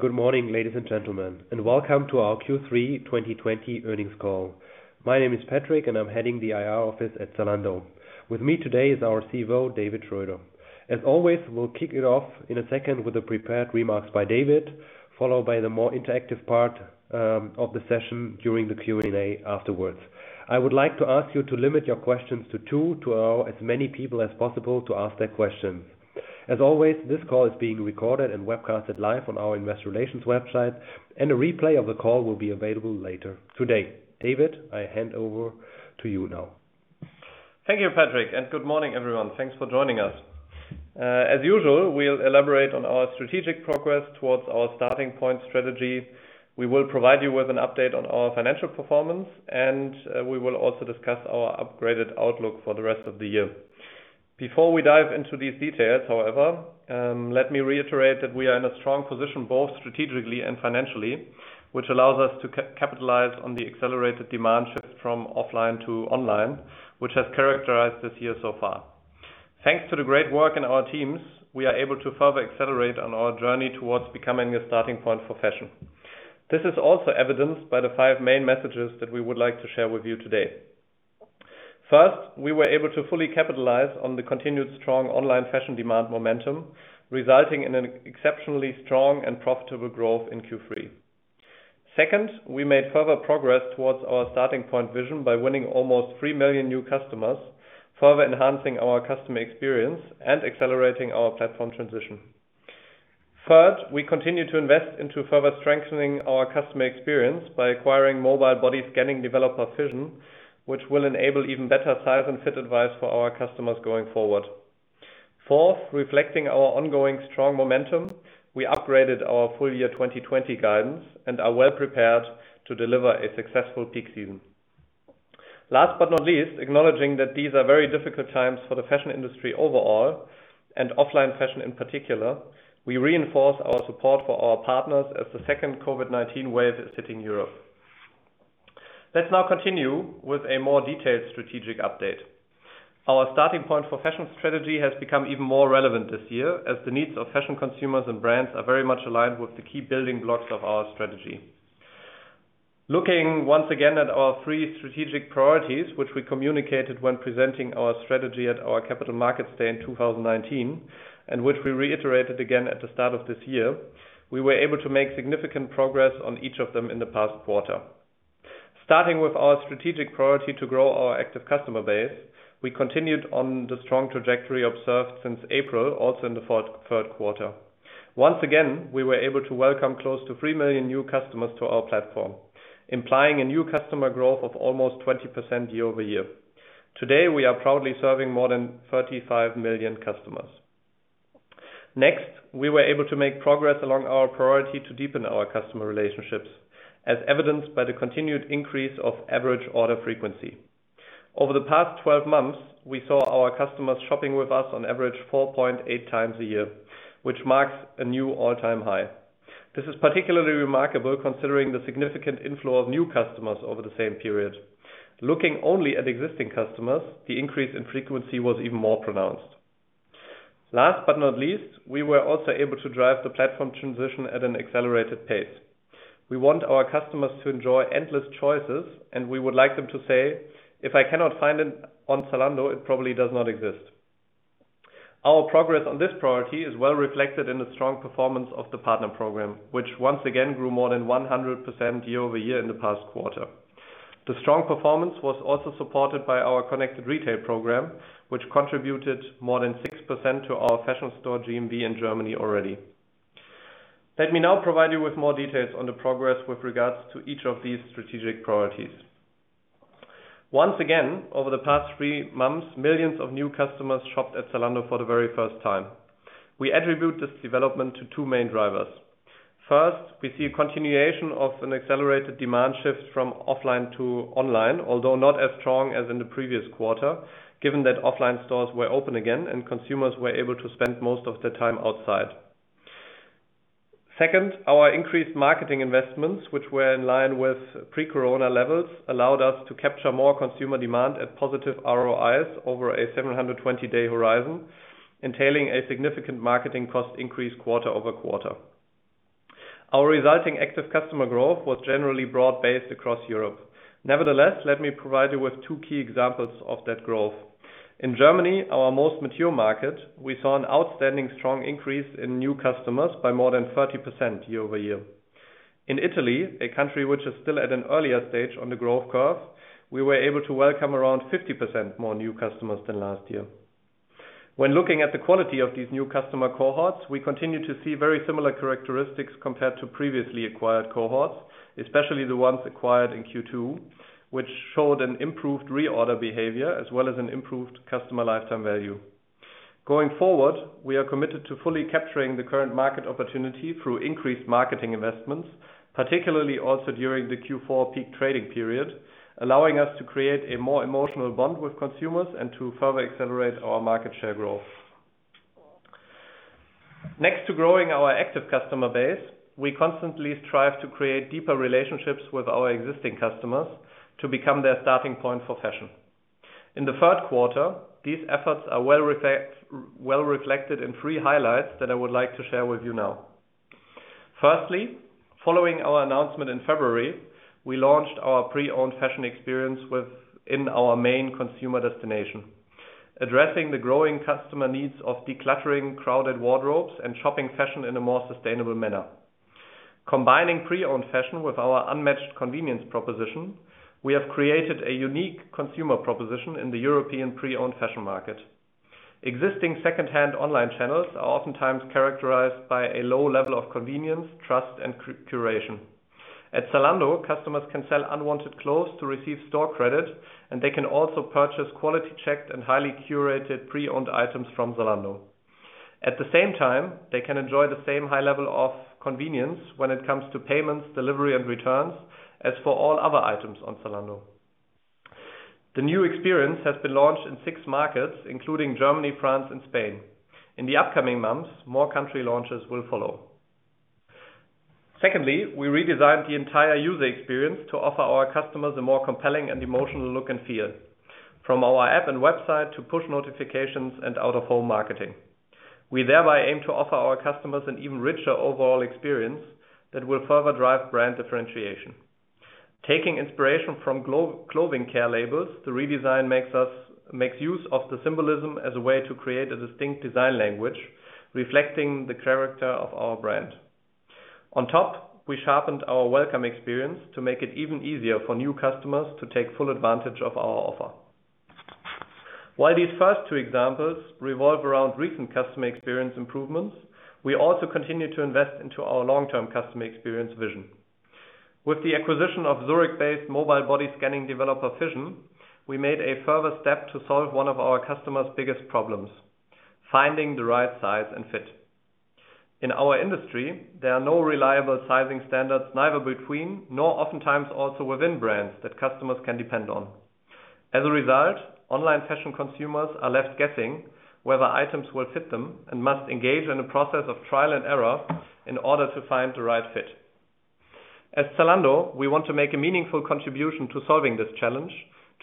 Good morning, ladies and gentlemen, and welcome to our Q3 2020 earnings call. My name is Patrick and I'm heading the IR office at Zalando. With me today is our CFO, David Schröder. As always, we'll kick it off in a second with the prepared remarks by David, followed by the more interactive part of the session during the Q&A afterwards. I would like to ask you to limit your questions to two, to allow as many people as possible to ask their questions. As always, this call is being recorded and webcasted live on our Investor Relations website, and a replay of the call will be available later today. David, I hand over to you now. Thank you, Patrick, and good morning, everyone. Thanks for joining us. As usual, we'll elaborate on our strategic progress towards our Starting Point strategy. We will provide you with an update on our financial performance, and we will also discuss our upgraded outlook for the rest of the year. Before we dive into these details, however, let me reiterate that we are in a strong position both strategically and financially, which allows us to capitalize on the accelerated demand shift from offline to online, which has characterized this year so far. Thanks to the great work in our teams, we are able to further accelerate on our journey towards becoming a Starting Point for Fashion. This is also evidenced by the five main messages that we would like to share with you today. First, we were able to fully capitalize on the continued strong online fashion demand momentum, resulting in an exceptionally strong and profitable growth in Q3. Second, we made further progress towards our Starting Point vision by winning almost 3 million new customers, further enhancing our customer experience and accelerating our platform transition. Third, we continue to invest into further strengthening our customer experience by acquiring mobile body scanning developer Fision, which will enable even better size and fit advice for our customers going forward. Fourth, reflecting our ongoing strong momentum, we upgraded our full year 2020 guidance and are well prepared to deliver a successful peak season. Last but not least, acknowledging that these are very difficult times for the fashion industry overall, and offline fashion in particular, we reinforce our support for our partners as the second COVID-19 wave is hitting Europe. Let's now continue with a more detailed strategic update. Our Starting Point for Fashion strategy has become even more relevant this year as the needs of fashion consumers and brands are very much aligned with the key building blocks of our strategy. Looking once again at our three strategic priorities, which we communicated when presenting our strategy at our Capital Markets Day in 2019, and which we reiterated again at the start of this year, we were able to make significant progress on each of them in the past quarter. Starting with our strategic priority to grow our active customer base, we continued on the strong trajectory observed since April, also in the third quarter. Once again, we were able to welcome close to 3 million new customers to our platform, implying a new customer growth of almost 20% year-over-year. Today, we are proudly serving more than 35 million customers. Next, we were able to make progress along our priority to deepen our customer relationships, as evidenced by the continued increase of average order frequency. Over the past 12 months, we saw our customers shopping with us on average 4.8 times a year, which marks a new all-time high. This is particularly remarkable considering the significant inflow of new customers over the same period. Looking only at existing customers, the increase in frequency was even more pronounced. Last but not least, we were also able to drive the platform transition at an accelerated pace. We want our customers to enjoy endless choices, and we would like them to say, "If I cannot find it on Zalando, it probably does not exist." Our progress on this priority is well reflected in the strong performance of the partner program, which once again grew more than 100% year-over-year in the past quarter. The strong performance was also supported by our Connected Retail program, which contributed more than 6% to our Fashion Store GMV in Germany already. Let me now provide you with more details on the progress with regards to each of these strategic priorities. Once again, over the past three months, millions of new customers shopped at Zalando for the very first time. We attribute this development to two main drivers. First, we see a continuation of an accelerated demand shift from offline to online, although not as strong as in the previous quarter, given that offline stores were open again and consumers were able to spend most of their time outside. Second, our increased marketing investments, which were in line with pre-COVID-19 levels, allowed us to capture more consumer demand at positive ROIs over a 720 day horizon, entailing a significant marketing cost increase quarter-over-quarter. Our resulting active customer growth was generally broad-based across Europe. Nevertheless, let me provide you with two key examples of that growth. In Germany, our most mature market, we saw an outstanding strong increase in new customers by more than 30% year-over-year. In Italy, a country which is still at an earlier stage on the growth curve, we were able to welcome around 50% more new customers than last year. When looking at the quality of these new customer cohorts, we continue to see very similar characteristics compared to previously acquired cohorts, especially the ones acquired in Q2, which showed an improved reorder behavior as well as an improved customer lifetime value. Going forward, we are committed to fully capturing the current market opportunity through increased marketing investments, particularly also during the Q4 peak trading period, allowing us to create a more emotional bond with consumers and to further accelerate our market share growth. Next to growing our active customer base, we constantly strive to create deeper relationships with our existing customers to become their Starting Point for Fashion. In the third quarter, these efforts are well reflected in three highlights that I would like to share with you now. Firstly, following our announcement in February, we launched our pre-owned fashion experience within our main consumer destination, addressing the growing customer needs of decluttering crowded wardrobes and shopping fashion in a more sustainable manner. Combining pre-owned fashion with our unmatched convenience proposition, we have created a unique consumer proposition in the European pre-owned fashion market. Existing second-hand online channels are oftentimes characterized by a low level of convenience, trust, and curation. At Zalando, customers can sell unwanted clothes to receive store credit, and they can also purchase quality checked and highly curated pre-owned items from Zalando. At the same time, they can enjoy the same high level of convenience when it comes to payments, delivery, and returns as for all other items on Zalando. The new experience has been launched in six markets, including Germany, France, and Spain. In the upcoming months, more country launches will follow. Secondly, we redesigned the entire user experience to offer our customers a more compelling and emotional look and feel, from our app and website to push notifications and out-of-home marketing. We thereby aim to offer our customers an even richer overall experience that will further drive brand differentiation. Taking inspiration from clothing care labels, the redesign makes use of the symbolism as a way to create a distinct design language reflecting the character of our brand. On top, we sharpened our welcome experience to make it even easier for new customers to take full advantage of our offer. While these first two examples revolve around recent customer experience improvements, we also continue to invest into our long-term customer experience vision. With the acquisition of Zurich-based mobile body scanning developer, Fision, we made a further step to solve one of our customers' biggest problems: finding the right size and fit. In our industry, there are no reliable sizing standards, neither between, nor oftentimes also within brands that customers can depend on. As a result, online fashion consumers are left guessing whether items will fit them and must engage in a process of trial and error in order to find the right fit. At Zalando, we want to make a meaningful contribution to solving this challenge,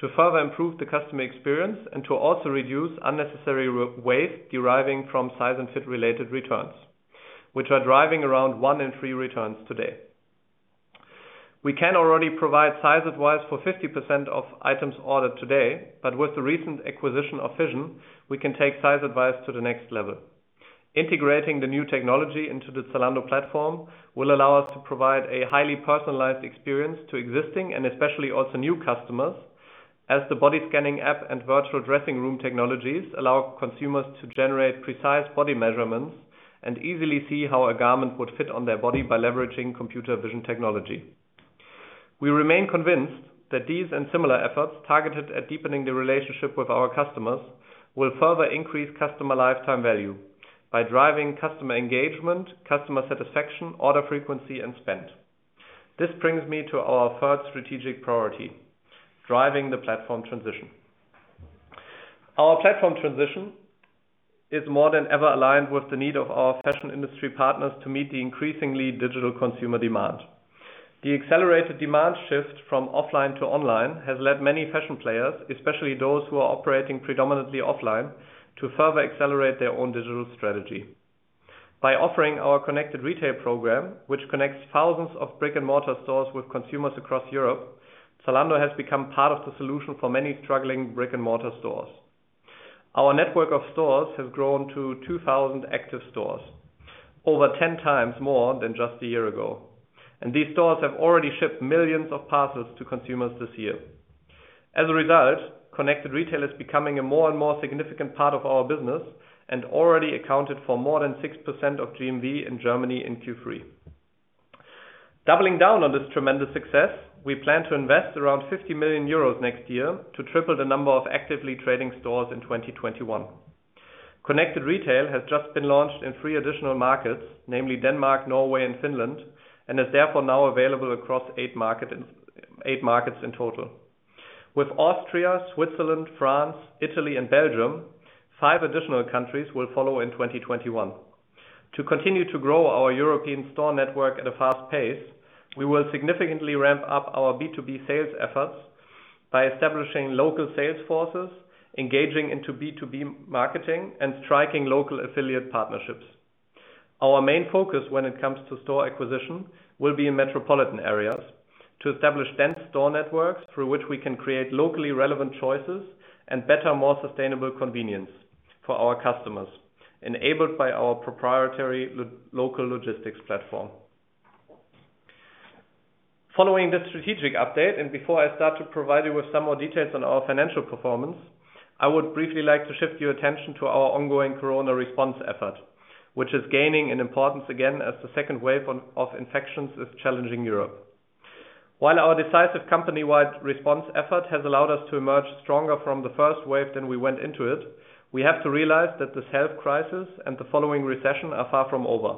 to further improve the customer experience, and to also reduce unnecessary waste deriving from size and fit related returns, which are driving around one in three returns today. With the recent acquisition of Fision, we can take size advice to the next level. Integrating the new technology into the Zalando platform will allow us to provide a highly personalized experience to existing and especially also new customers, as the body scanning app and virtual dressing room technologies allow consumers to generate precise body measurements and easily see how a garment would fit on their body by leveraging computer vision technology. We remain convinced that these and similar efforts targeted at deepening the relationship with our customers will further increase customer lifetime value by driving customer engagement, customer satisfaction, order frequency, and spend. This brings me to our third strategic priority, driving the platform transition. Our platform transition is more than ever aligned with the need of our fashion industry partners to meet the increasingly digital consumer demand. The accelerated demand shift from offline to online has led many fashion players, especially those who are operating predominantly offline, to further accelerate their own digital strategy. By offering our Connected Retail program, which connects thousands of brick and mortar stores with consumers across Europe, Zalando has become part of the solution for many struggling brick and mortar stores. Our network of stores has grown to 2,000 active stores, over 10 times more than just a year ago. These stores have already shipped millions of parcels to consumers this year. As a result, Connected Retail is becoming a more and more significant part of our business and already accounted for more than 6% of GMV in Germany in Q3. Doubling down on this tremendous success, we plan to invest around 50 million euros next year to triple the number of actively trading stores in 2021. Connected Retail has just been launched in three additional markets, namely Denmark, Norway, and Finland, and is therefore now available across eight markets in total. With Austria, Switzerland, France, Italy, and Belgium, five additional countries will follow in 2021. To continue to grow our European store network at a fast pace, we will significantly ramp up our B2B sales efforts by establishing local sales forces, engaging into B2B marketing, and striking local affiliate partnerships. Our main focus when it comes to store acquisition will be in metropolitan areas to establish dense store networks through which we can create locally relevant choices and better, more sustainable convenience for our customers, enabled by our proprietary local logistics platform. Following this strategic update, before I start to provide you with some more details on our financial performance, I would briefly like to shift your attention to our ongoing corona response effort, which is gaining in importance again as the second wave of infections is challenging Europe. While our decisive company-wide response effort has allowed us to emerge stronger from the first wave than we went into it, we have to realize that this health crisis and the following recession are far from over.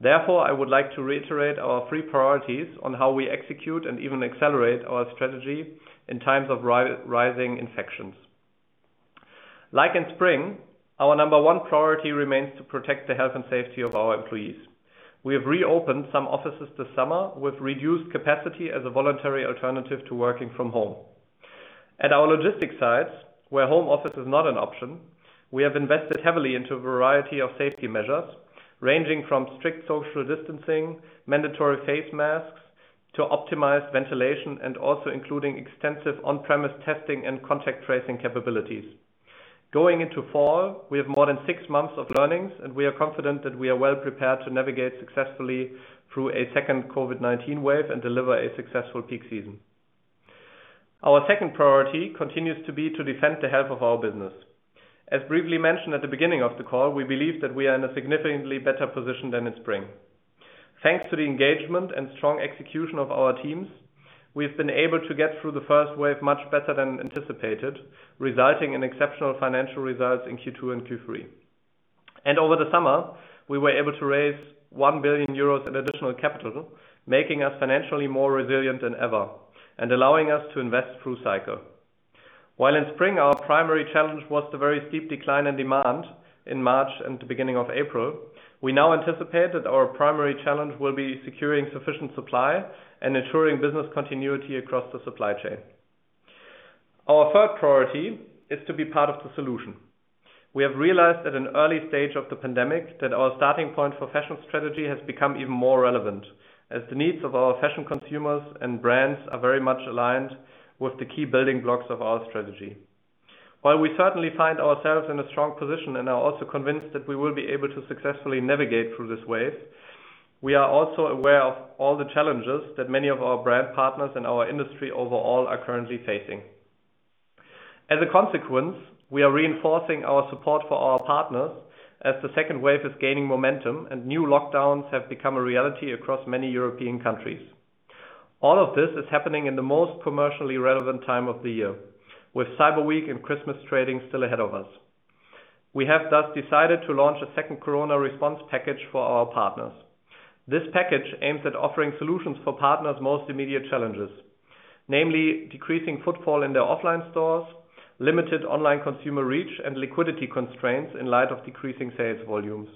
Therefore, I would like to reiterate our three priorities on how we execute and even accelerate our strategy in times of rising infections. Like in spring, our number one priority remains to protect the health and safety of our employees. We have reopened some offices this summer with reduced capacity as a voluntary alternative to working from home. At our logistics sites, where home office is not an option, we have invested heavily into a variety of safety measures, ranging from strict social distancing, mandatory face masks, to optimized ventilation, and also including extensive on-premise testing and contact tracing capabilities. We are confident that we are well prepared to navigate successfully through a second COVID-19 wave and deliver a successful peak season. Our second priority continues to be to defend the health of our business. As briefly mentioned at the beginning of the call, we believe that we are in a significantly better position than in spring. Thanks to the engagement and strong execution of our teams, we've been able to get through the first wave much better than anticipated, resulting in exceptional financial results in Q2 and Q3. Over the summer, we were able to raise 1 billion euros in additional capital, making us financially more resilient than ever and allowing us to invest through cycle. While in spring, our primary challenge was the very steep decline in demand in March and the beginning of April, we now anticipate that our primary challenge will be securing sufficient supply and ensuring business continuity across the supply chain. Our third priority is to be part of the solution. We have realized at an early stage of the pandemic that our Starting Point for Fashion strategy has become even more relevant as the needs of our fashion consumers and brands are very much aligned with the key building blocks of our strategy. While we certainly find ourselves in a strong position and are also convinced that we will be able to successfully navigate through this wave, we are also aware of all the challenges that many of our brand partners and our industry overall are currently facing. As a consequence, we are reinforcing our support for our partners as the second wave is gaining momentum and new lockdowns have become a reality across many European countries. All of this is happening in the most commercially relevant time of the year, with Cyber Week and Christmas trading still ahead of us. We have thus decided to launch a second corona response package for our partners. This package aims at offering solutions for partners' most immediate challenges, namely decreasing footfall in their offline stores, limited online consumer reach, and liquidity constraints in light of decreasing sales volumes.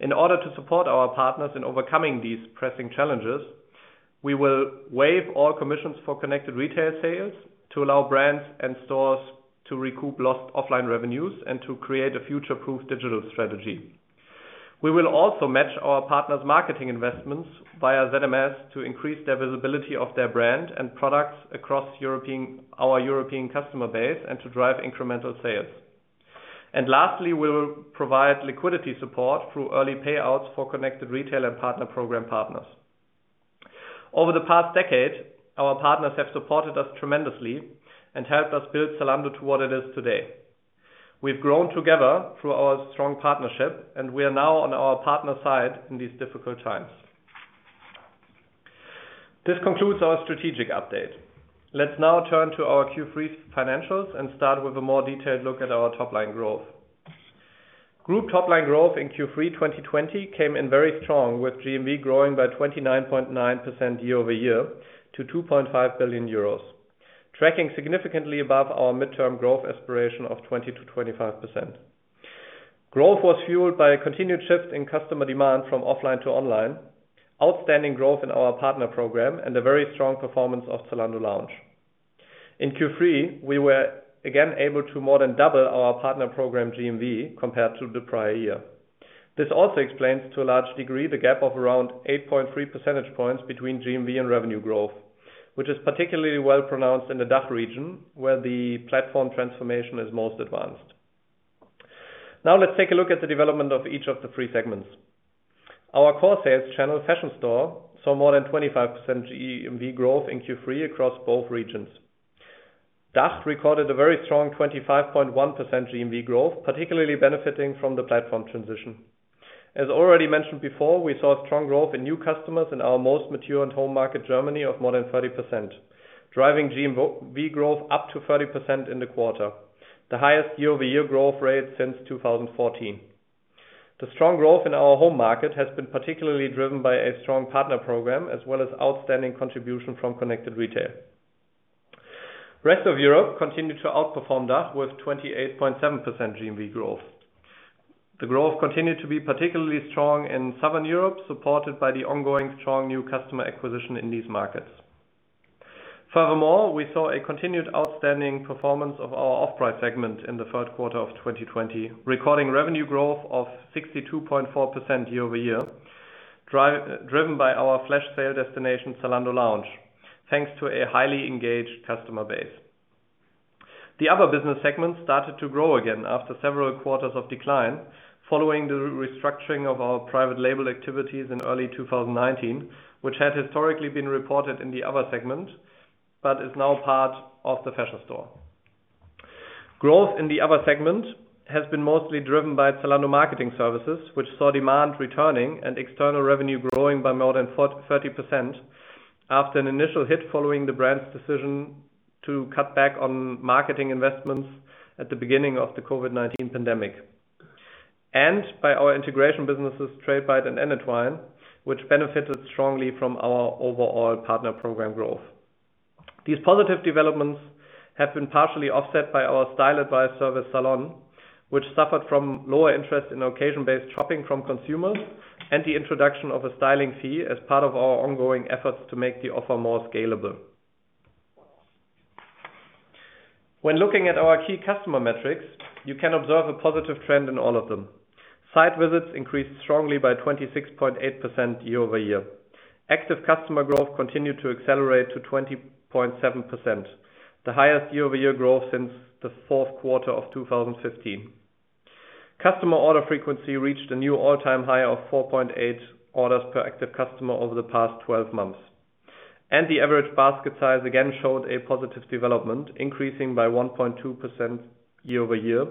In order to support our partners in overcoming these pressing challenges, we will waive all commissions for Connected Retail sales to allow brands and stores to recoup lost offline revenues and to create a future-proof digital strategy. We will also match our partners' marketing investments via ZMS to increase the visibility of their brand and products across our European customer base and to drive incremental sales. Lastly, we will provide liquidity support through early payouts for Connected Retail and partner program partners. Over the past decade, our partners have supported us tremendously and helped us build Zalando to what it is today. We've grown together through our strong partnership. We are now on our partners' side in these difficult times. This concludes our strategic update. Let's now turn to our Q3 financials and start with a more detailed look at our top-line growth. Group top-line growth in Q3 2020 came in very strong, with GMV growing by 29.9% year-over-year to 2.5 billion euros, tracking significantly above our midterm growth aspiration of 20%-25%. Growth was fueled by a continued shift in customer demand from offline to online, outstanding growth in our partner program, and the very strong performance of Zalando Lounge. In Q3, we were again able to more than double our partner program GMV compared to the prior year. This also explains, to a large degree, the gap of around 8.3 percentage points between GMV and revenue growth, which is particularly well pronounced in the DACH region, where the platform transformation is most advanced. Let's take a look at the development of each of the three segments. Our core sales channel, Fashion Store, saw more than 25% GMV growth in Q3 across both regions. DACH recorded a very strong 25.1% GMV growth, particularly benefiting from the platform transition. As already mentioned before, we saw strong growth in new customers in our most mature and home market, Germany, of more than 30%, driving GMV growth up to 30% in the quarter, the highest year-over-year growth rate since 2014. The strong growth in our home market has been particularly driven by a strong partner program as well as outstanding contribution from Connected Retail. Rest of Europe continued to outperform DACH with 28.7% GMV growth. The growth continued to be particularly strong in Southern Europe, supported by the ongoing strong new customer acquisition in these markets. Furthermore, we saw a continued outstanding performance of our Off-Price segment in the third quarter of 2020, recording revenue growth of 62.4% year-over-year, driven by our flash sale destination, Zalando Lounge, thanks to a highly engaged customer base. The other business segments started to grow again after several quarters of decline following the restructuring of our private label activities in early 2019, which had historically been reported in the Other segment, but is now part of the Fashion Store. Growth in the Other segment has been mostly driven by Zalando Marketing Services, which saw demand returning and external revenue growing by more than 30% after an initial hit following the brand's decision to cut back on marketing investments at the beginning of the COVID-19 pandemic. By our integration businesses, Tradebyte and Anatwine, which benefited strongly from our overall partner program growth. These positive developments have been partially offset by our style advice service, Zalon, which suffered from lower interest in occasion-based shopping from consumers, and the introduction of a styling fee as part of our ongoing efforts to make the offer more scalable. When looking at our key customer metrics, you can observe a positive trend in all of them. Site visits increased strongly by 26.8% year-over-year. Active customer growth continued to accelerate to 20.7%, the highest year-over-year growth since the fourth quarter of 2015. Customer order frequency reached a new all-time high of 4.8 orders per active customer over the past 12 months. The average basket size again showed a positive development, increasing by 1.2% year-over-year,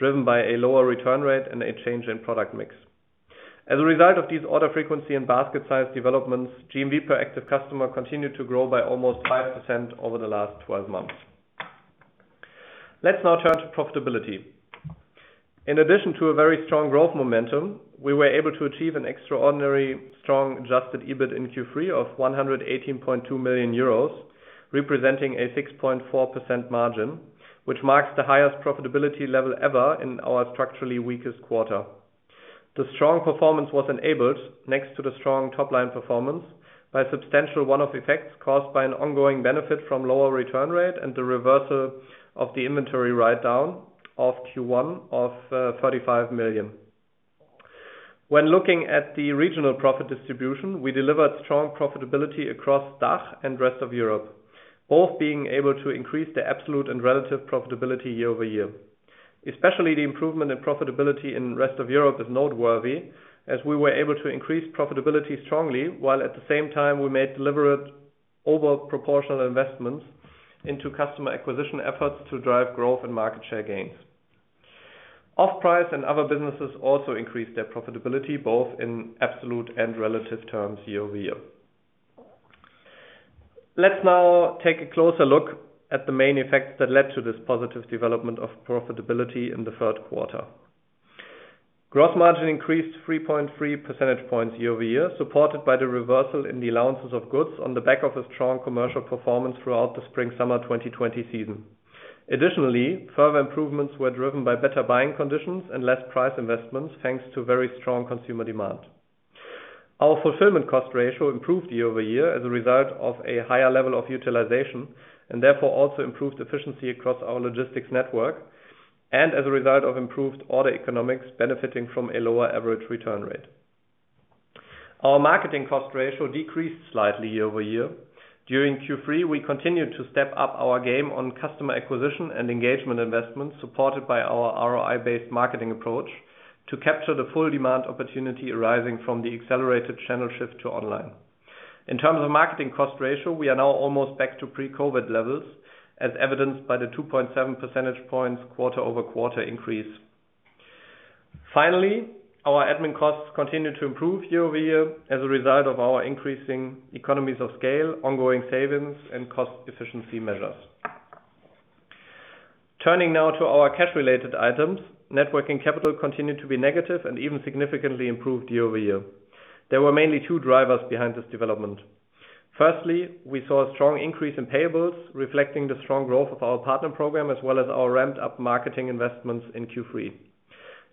driven by a lower return rate and a change in product mix. As a result of these order frequency and basket size developments, GMV per active customer continued to grow by almost 5% over the last 12 months. Let's now turn to profitability. In addition to a very strong growth momentum, we were able to achieve an extraordinarily strong adjusted EBIT in Q3 of 118.2 million euros, representing a 6.4% margin, which marks the highest profitability level ever in our structurally weakest quarter. The strong performance was enabled, next to the strong top-line performance, by substantial one-off effects caused by an ongoing benefit from lower return rate and the reversal of the inventory write-down of Q1 of 35 million. When looking at the regional profit distribution, we delivered strong profitability across DACH and rest of Europe, both being able to increase their absolute and relative profitability year-over-year. Especially the improvement in profitability in rest of Europe is noteworthy, as we were able to increase profitability strongly, while at the same time we made deliberate overproportional investments into customer acquisition efforts to drive growth and market share gains. Off-Price and other businesses also increased their profitability, both in absolute and relative terms year-over-year. Let's now take a closer look at the main effects that led to this positive development of profitability in the third quarter. Gross margin increased 3.3 percentage points year-over-year, supported by the reversal in the allowances of goods on the back of a strong commercial performance throughout the spring/summer 2020 season. Additionally, further improvements were driven by better buying conditions and less price investments, thanks to very strong consumer demand. Our fulfillment cost ratio improved year-over-year as a result of a higher level of utilization, and therefore also improved efficiency across our logistics network, and as a result of improved order economics benefiting from a lower average return rate. Our marketing cost ratio decreased slightly year-over-year. During Q3, we continued to step up our game on customer acquisition and engagement investments, supported by our ROI-based marketing approach to capture the full demand opportunity arising from the accelerated channel shift to online. In terms of marketing cost ratio, we are now almost back to pre-COVID levels, as evidenced by the 2.7 percentage points quarter-over-quarter increase. Our admin costs continued to improve year-over-year as a result of our increasing economies of scale, ongoing savings, and cost efficiency measures. Turning now to our cash related items. Net working capital continued to be negative and even significantly improved year-over-year. There were mainly two drivers behind this development. We saw a strong increase in payables, reflecting the strong growth of our partner program, as well as our ramped-up marketing investments in Q3.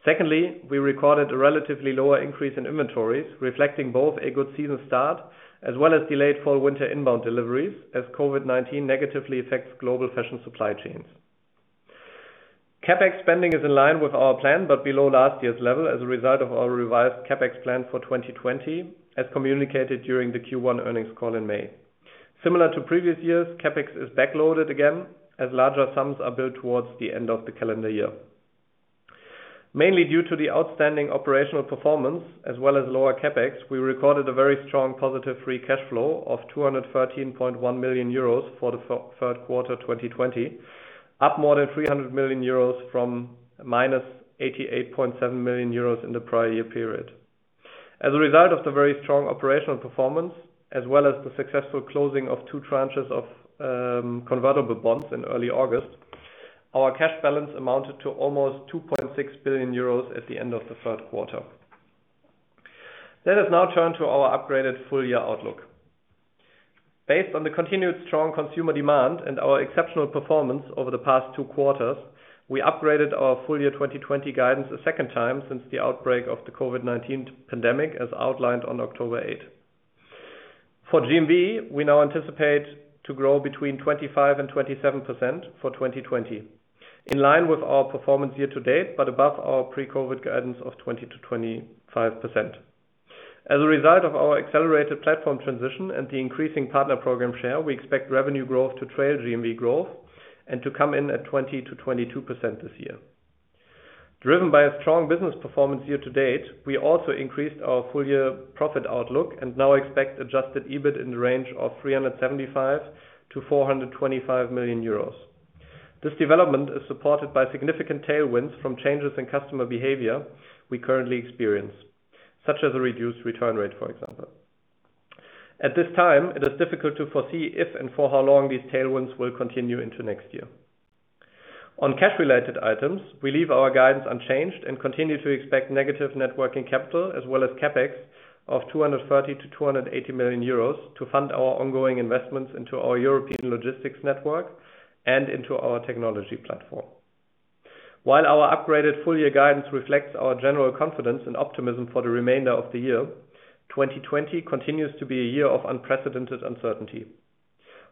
Secondly, we recorded a relatively lower increase in inventories, reflecting both a good season start as well as delayed fall/winter inbound deliveries as COVID-19 negatively affects global fashion supply chains. CapEx spending is in line with our plan but below last year's level as a result of our revised CapEx plan for 2020, as communicated during the Q1 earnings call in May. Similar to previous years, CapEx is backloaded again as larger sums are built towards the end of the calendar year. Mainly due to the outstanding operational performance as well as lower CapEx, we recorded a very strong positive free cash flow of 213.1 million euros for the third quarter 2020, up more than 300 million euros from -88.7 million euros in the prior year period. As a result of the very strong operational performance, as well as the successful closing of two tranches of convertible bonds in early August, our cash balance amounted to almost 2.6 billion euros at the end of the third quarter. Let us now turn to our upgraded full year outlook. Based on the continued strong consumer demand and our exceptional performance over the past two quarters, we upgraded our full year 2020 guidance a second time since the outbreak of the COVID-19 pandemic, as outlined on October 8th. For GMV, we now anticipate to grow between 25% and 27% for 2020, in line with our performance year-to-date, but above our pre-COVID guidance of 20%-25%. As a result of our accelerated platform transition and the increasing partner program share, we expect revenue growth to trail GMV growth and to come in at 20%-22% this year. Driven by a strong business performance year-to-date, we also increased our full year profit outlook and now expect adjusted EBIT in the range of 375 million-425 million euros. This development is supported by significant tailwinds from changes in customer behavior we currently experience, such as a reduced return rate, for example. At this time, it is difficult to foresee if and for how long these tailwinds will continue into next year. On cash-related items, we leave our guidance unchanged and continue to expect negative net working capital as well as CapEx of 230 million-280 million euros to fund our ongoing investments into our European logistics network and into our technology platform. While our upgraded full year guidance reflects our general confidence and optimism for the remainder of the year, 2020 continues to be a year of unprecedented uncertainty.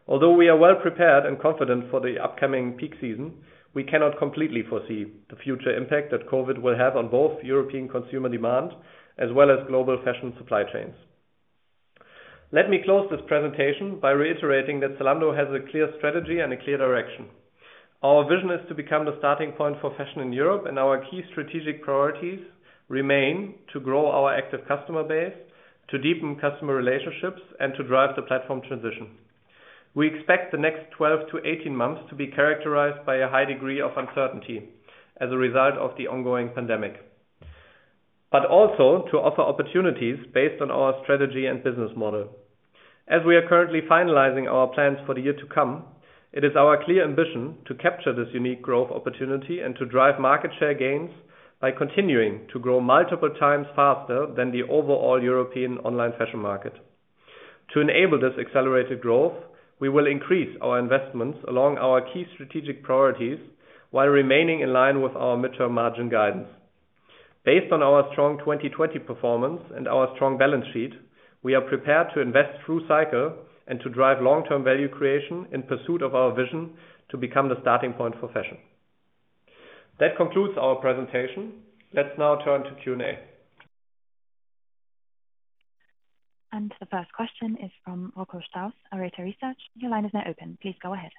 Although we are well prepared and confident for the upcoming peak season, we cannot completely foresee the future impact that COVID-19 will have on both European consumer demand as well as global fashion supply chains. Let me close this presentation by reiterating that Zalando has a clear strategy and a clear direction. Our vision is to become the Starting Point for Fashion in Europe, and our key strategic priorities remain to grow our active customer base, to deepen customer relationships, and to drive the platform transition. We expect the next 12 to 18 months to be characterized by a high degree of uncertainty as a result of the ongoing pandemic, but also to offer opportunities based on our strategy and business model. As we are currently finalizing our plans for the year to come, it is our clear ambition to capture this unique growth opportunity and to drive market share gains by continuing to grow multiple times faster than the overall European online fashion market. To enable this accelerated growth, we will increase our investments along our key strategic priorities while remaining in line with our midterm margin guidance. Based on our strong 2020 performance and our strong balance sheet, we are prepared to invest through cycle and to drive long-term value creation in pursuit of our vision to become the Starting Point for Fashion. That concludes our presentation. Let's now turn to Q&A. The first question is from Rocco Strauss, Arete Research. Your line is now open. Please go ahead.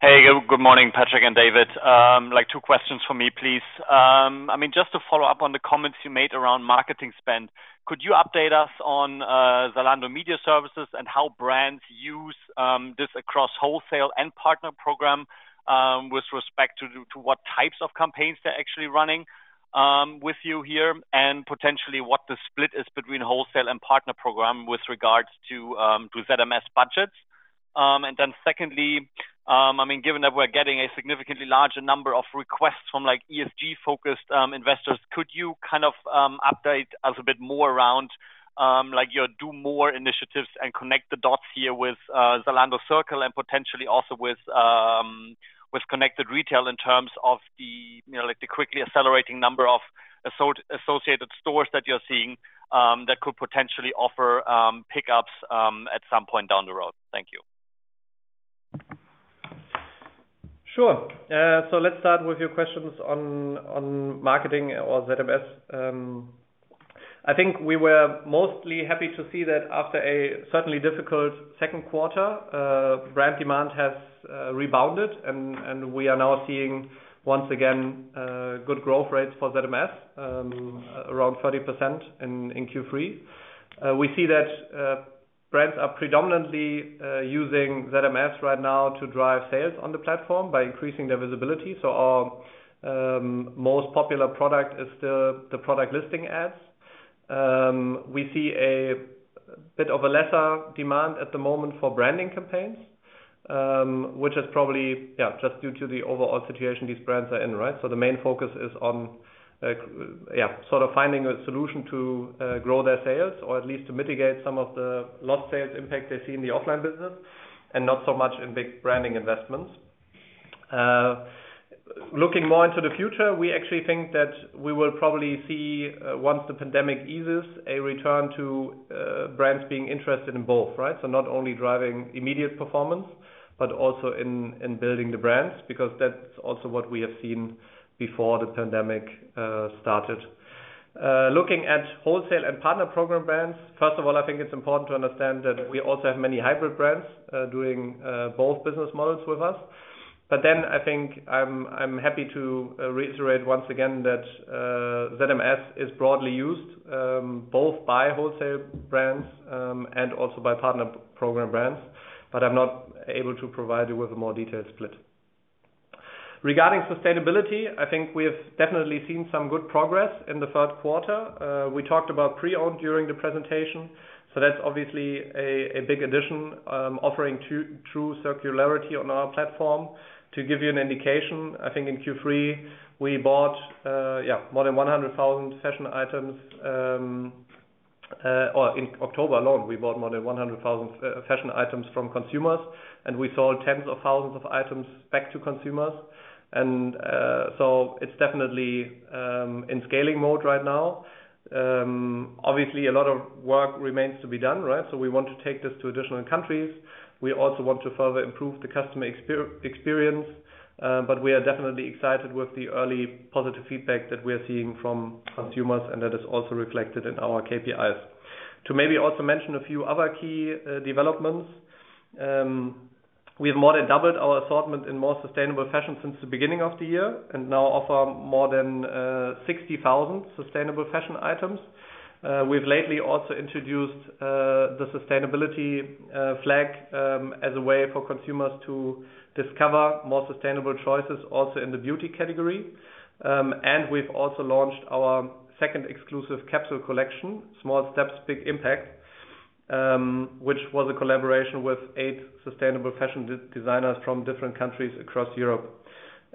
Good morning, Patrick and David. Two questions for me, please. To follow up on the comments you made around marketing spend, could you update us on Zalando Marketing Services and how brands use this across wholesale and partner program with respect to what types of campaigns they're actually running with you here, and potentially what the split is between wholesale and partner program with regards to ZMS budgets? Secondly, given that we're getting a significantly larger number of requests from ESG-focused investors, could you update us a bit more around your do. MORE initiatives and connect the dots here with Zalando Zircle and potentially also with Connected Retail in terms of the quickly accelerating number of associated stores that you're seeing that could potentially offer pickups at some point down the road? Sure. Let's start with your questions on marketing or ZMS. I think we were mostly happy to see that after a certainly difficult second quarter, brand demand has rebounded, and we are now seeing, once again, good growth rates for ZMS, around 30% in Q3. We see that brands are predominantly using ZMS right now to drive sales on the platform by increasing their visibility. Our most popular product is the product listing ads. We see a bit of a lesser demand at the moment for branding campaigns, which is probably, yeah, just due to the overall situation these brands are in, right? The main focus is on finding a solution to grow their sales or at least to mitigate some of the lost sales impact they see in the offline business and not so much in big branding investments. Looking more into the future, we actually think that we will probably see, once the pandemic eases, a return to brands being interested in both, right? Not only driving immediate performance, but also in building the brands, because that's also what we have seen before the pandemic started. Looking at wholesale and partner program brands, first of all, I think it's important to understand that we also have many hybrid brands doing both business models with us. I think I'm happy to reiterate once again that ZMS is broadly used both by wholesale brands and also by partner program brands. I'm not able to provide you with a more detailed split. Regarding sustainability, I think we have definitely seen some good progress in the third quarter. We talked about pre-owned during the presentation, so that's obviously a big addition, offering true circularity on our platform. To give you an indication, I think in Q3, we bought more than 100,000 fashion items. In October alone, we bought more than 100,000 fashion items from consumers, and we sold tens of thousands of items back to consumers. It's definitely in scaling mode right now. Obviously, a lot of work remains to be done, right? We want to take this to additional countries. We also want to further improve the customer experience. We are definitely excited with the early positive feedback that we're seeing from consumers, and that is also reflected in our KPIs. To maybe also mention a few other key developments, we've more than doubled our assortment in more sustainable fashion since the beginning of the year and now offer more than 60,000 sustainable fashion items. We've lately also introduced the sustainability flag as a way for consumers to discover more sustainable choices also in the beauty category. We've also launched our second exclusive capsule collection, Small Steps. Big Impact., which was a collaboration with eight sustainable fashion designers from different countries across Europe.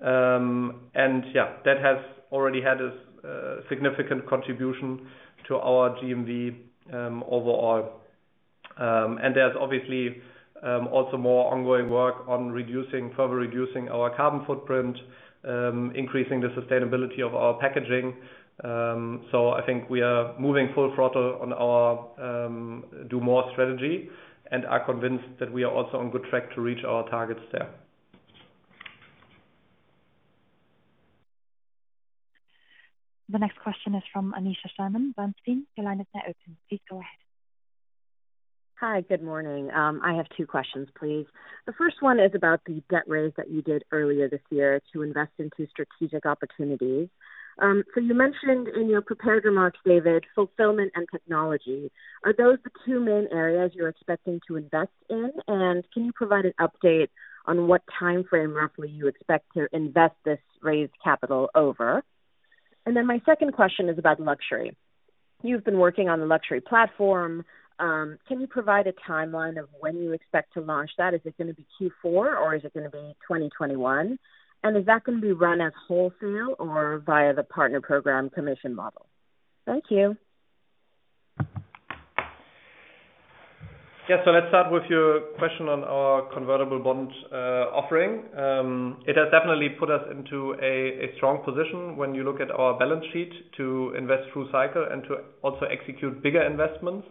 Yeah, that has already had a significant contribution to our GMV overall. There's obviously also more ongoing work on further reducing our carbon footprint, increasing the sustainability of our packaging. I think we are moving full throttle on our do. MORE strategy and are convinced that we are also on good track to reach our targets there. The next question is from Aneesha Sherman, Bernstein. Your line is now open. Please go ahead. Hi, good morning. I have two questions, please. The first one is about the debt raise that you did earlier this year to invest into strategic opportunities. You mentioned in your prepared remarks, David, fulfillment and technology. Are those the two main areas you're expecting to invest in? Can you provide an update on what timeframe, roughly, you expect to invest this raised capital over? My second question is about luxury. You've been working on the luxury platform. Can you provide a timeline of when you expect to launch that? Is it going to be Q4 or is it going to be 2021? Is that going to be run as wholesale or via the partner program commission model? Thank you. Yeah. Let's start with your question on our convertible bond offering. It has definitely put us into a strong position when you look at our balance sheet to invest through cycle and to also execute bigger investments.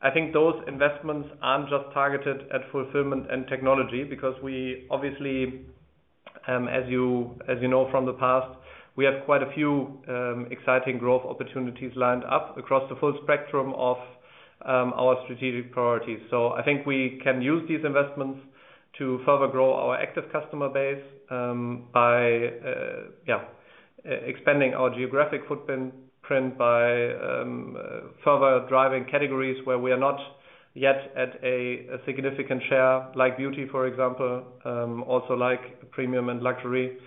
I think those investments aren't just targeted at fulfillment and technology because we obviously, as you know from the past, we have quite a few exciting growth opportunities lined up across the full spectrum of our strategic priorities. I think we can use these investments to further grow our active customer base by expanding our geographic footprint by further driving categories where we are not yet at a significant share, like beauty, for example, also like premium and luxury.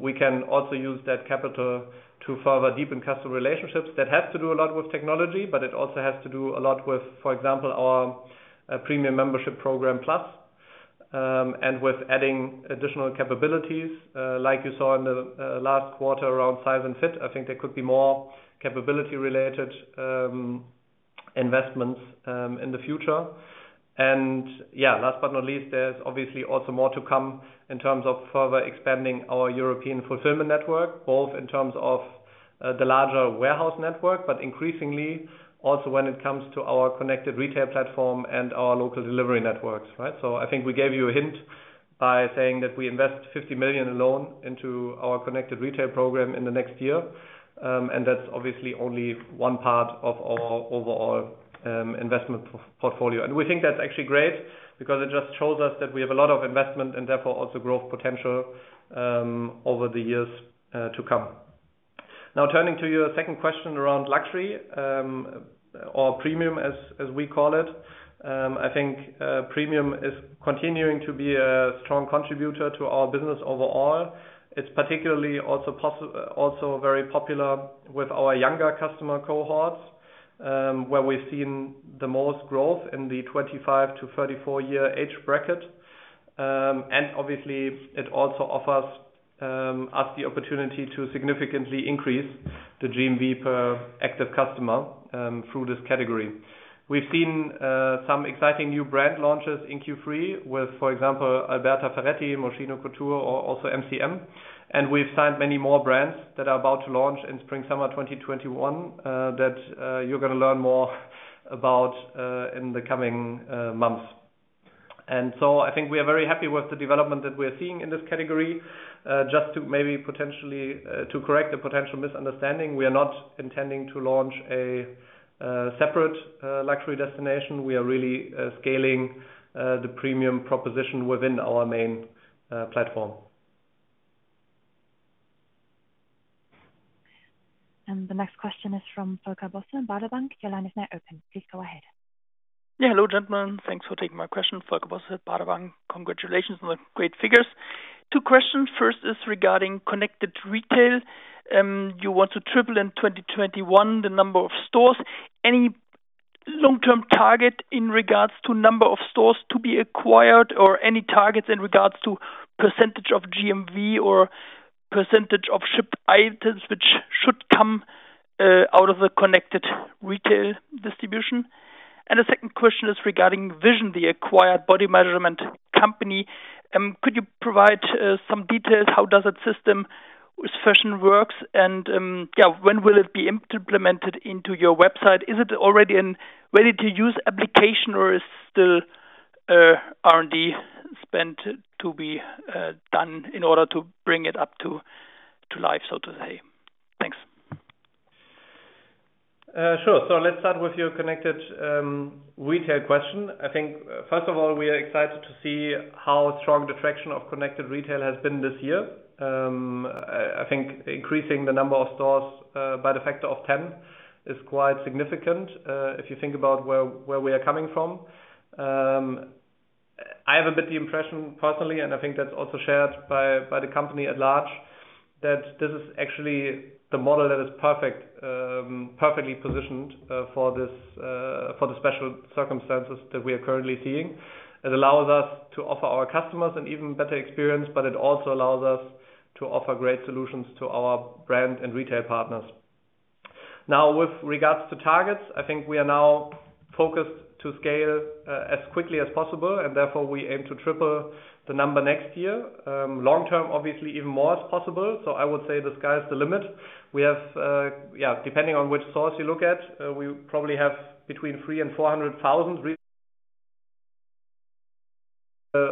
We can also use that capital to further deepen customer relationships. That has to do a lot with technology, but it also has to do a lot with, for example, our Premium Membership program Plus and with adding additional capabilities, like you saw in the last quarter around size and fit. I think there could be more capability related investments in the future. Last but not least, there's obviously also more to come in terms of further expanding our European fulfillment network, both in terms of the larger warehouse network, but increasingly also when it comes to our Connected Retail platform and our local delivery networks, right? I think we gave you a hint by saying that we invest 50 million alone into our Connected Retail program in the next year. That's obviously only one part of our overall investment portfolio. We think that's actually great because it just shows us that we have a lot of investment and therefore also growth potential over the years to come. Now turning to your second question around luxury, or premium as we call it. I think premium is continuing to be a strong contributor to our business overall. It's particularly also very popular with our younger customer cohorts, where we've seen the most growth in the 25-34 year age bracket. Obviously it also offers us the opportunity to significantly increase the GMV per active customer through this category. We've seen some exciting new brand launches in Q3 with, for example, Alberta Ferretti, Moschino Couture, or also MCM. We've signed many more brands that are about to launch in spring, summer 2021 that you're going to learn more about in the coming months. I think we are very happy with the development that we're seeing in this category. Just to correct a potential misunderstanding, we are not intending to launch a separate luxury destination. We are really scaling the premium proposition within our main platform. The next question is from Volker Bosse, Baader Bank. Your line is now open. Please go ahead. Hello, gentlemen. Thanks for taking my question. Volker Bosse at Baader Bank. Congratulations on the great figures. Two questions. First is regarding Connected Retail. You want to triple in 2021 the number of stores. Any long-term target in regards to number of stores to be acquired or any targets in regards to percentage of GMV or percentage of shipped items which should come out of the Connected Retail distribution? The second question is regarding Fision, the acquired body measurement company. Could you provide some details? How does that system with fashion works and when will it be implemented into your website? Is it already a ready-to-use application or is still R&D spent to be done in order to bring it up to life, so to say? Thanks. Sure. Let's start with your Connected Retail question. First of all, we are excited to see how strong the traction of Connected Retail has been this year. Increasing the number of stores by the factor of 10 is quite significant, if you think about where we are coming from. I have a bit the impression personally, and that's also shared by the company at large, that this is actually the model that is perfectly positioned for the special circumstances that we are currently seeing. It allows us to offer our customers an even better experience, but it also allows us to offer great solutions to our brand and retail partners. With regards to targets, we are now focused to scale as quickly as possible, and therefore we aim to triple the number next year. Long term, obviously, even more is possible. I would say the sky's the limit. Depending on which source you look at, we probably have between 300,000 and 400,000 retail--. We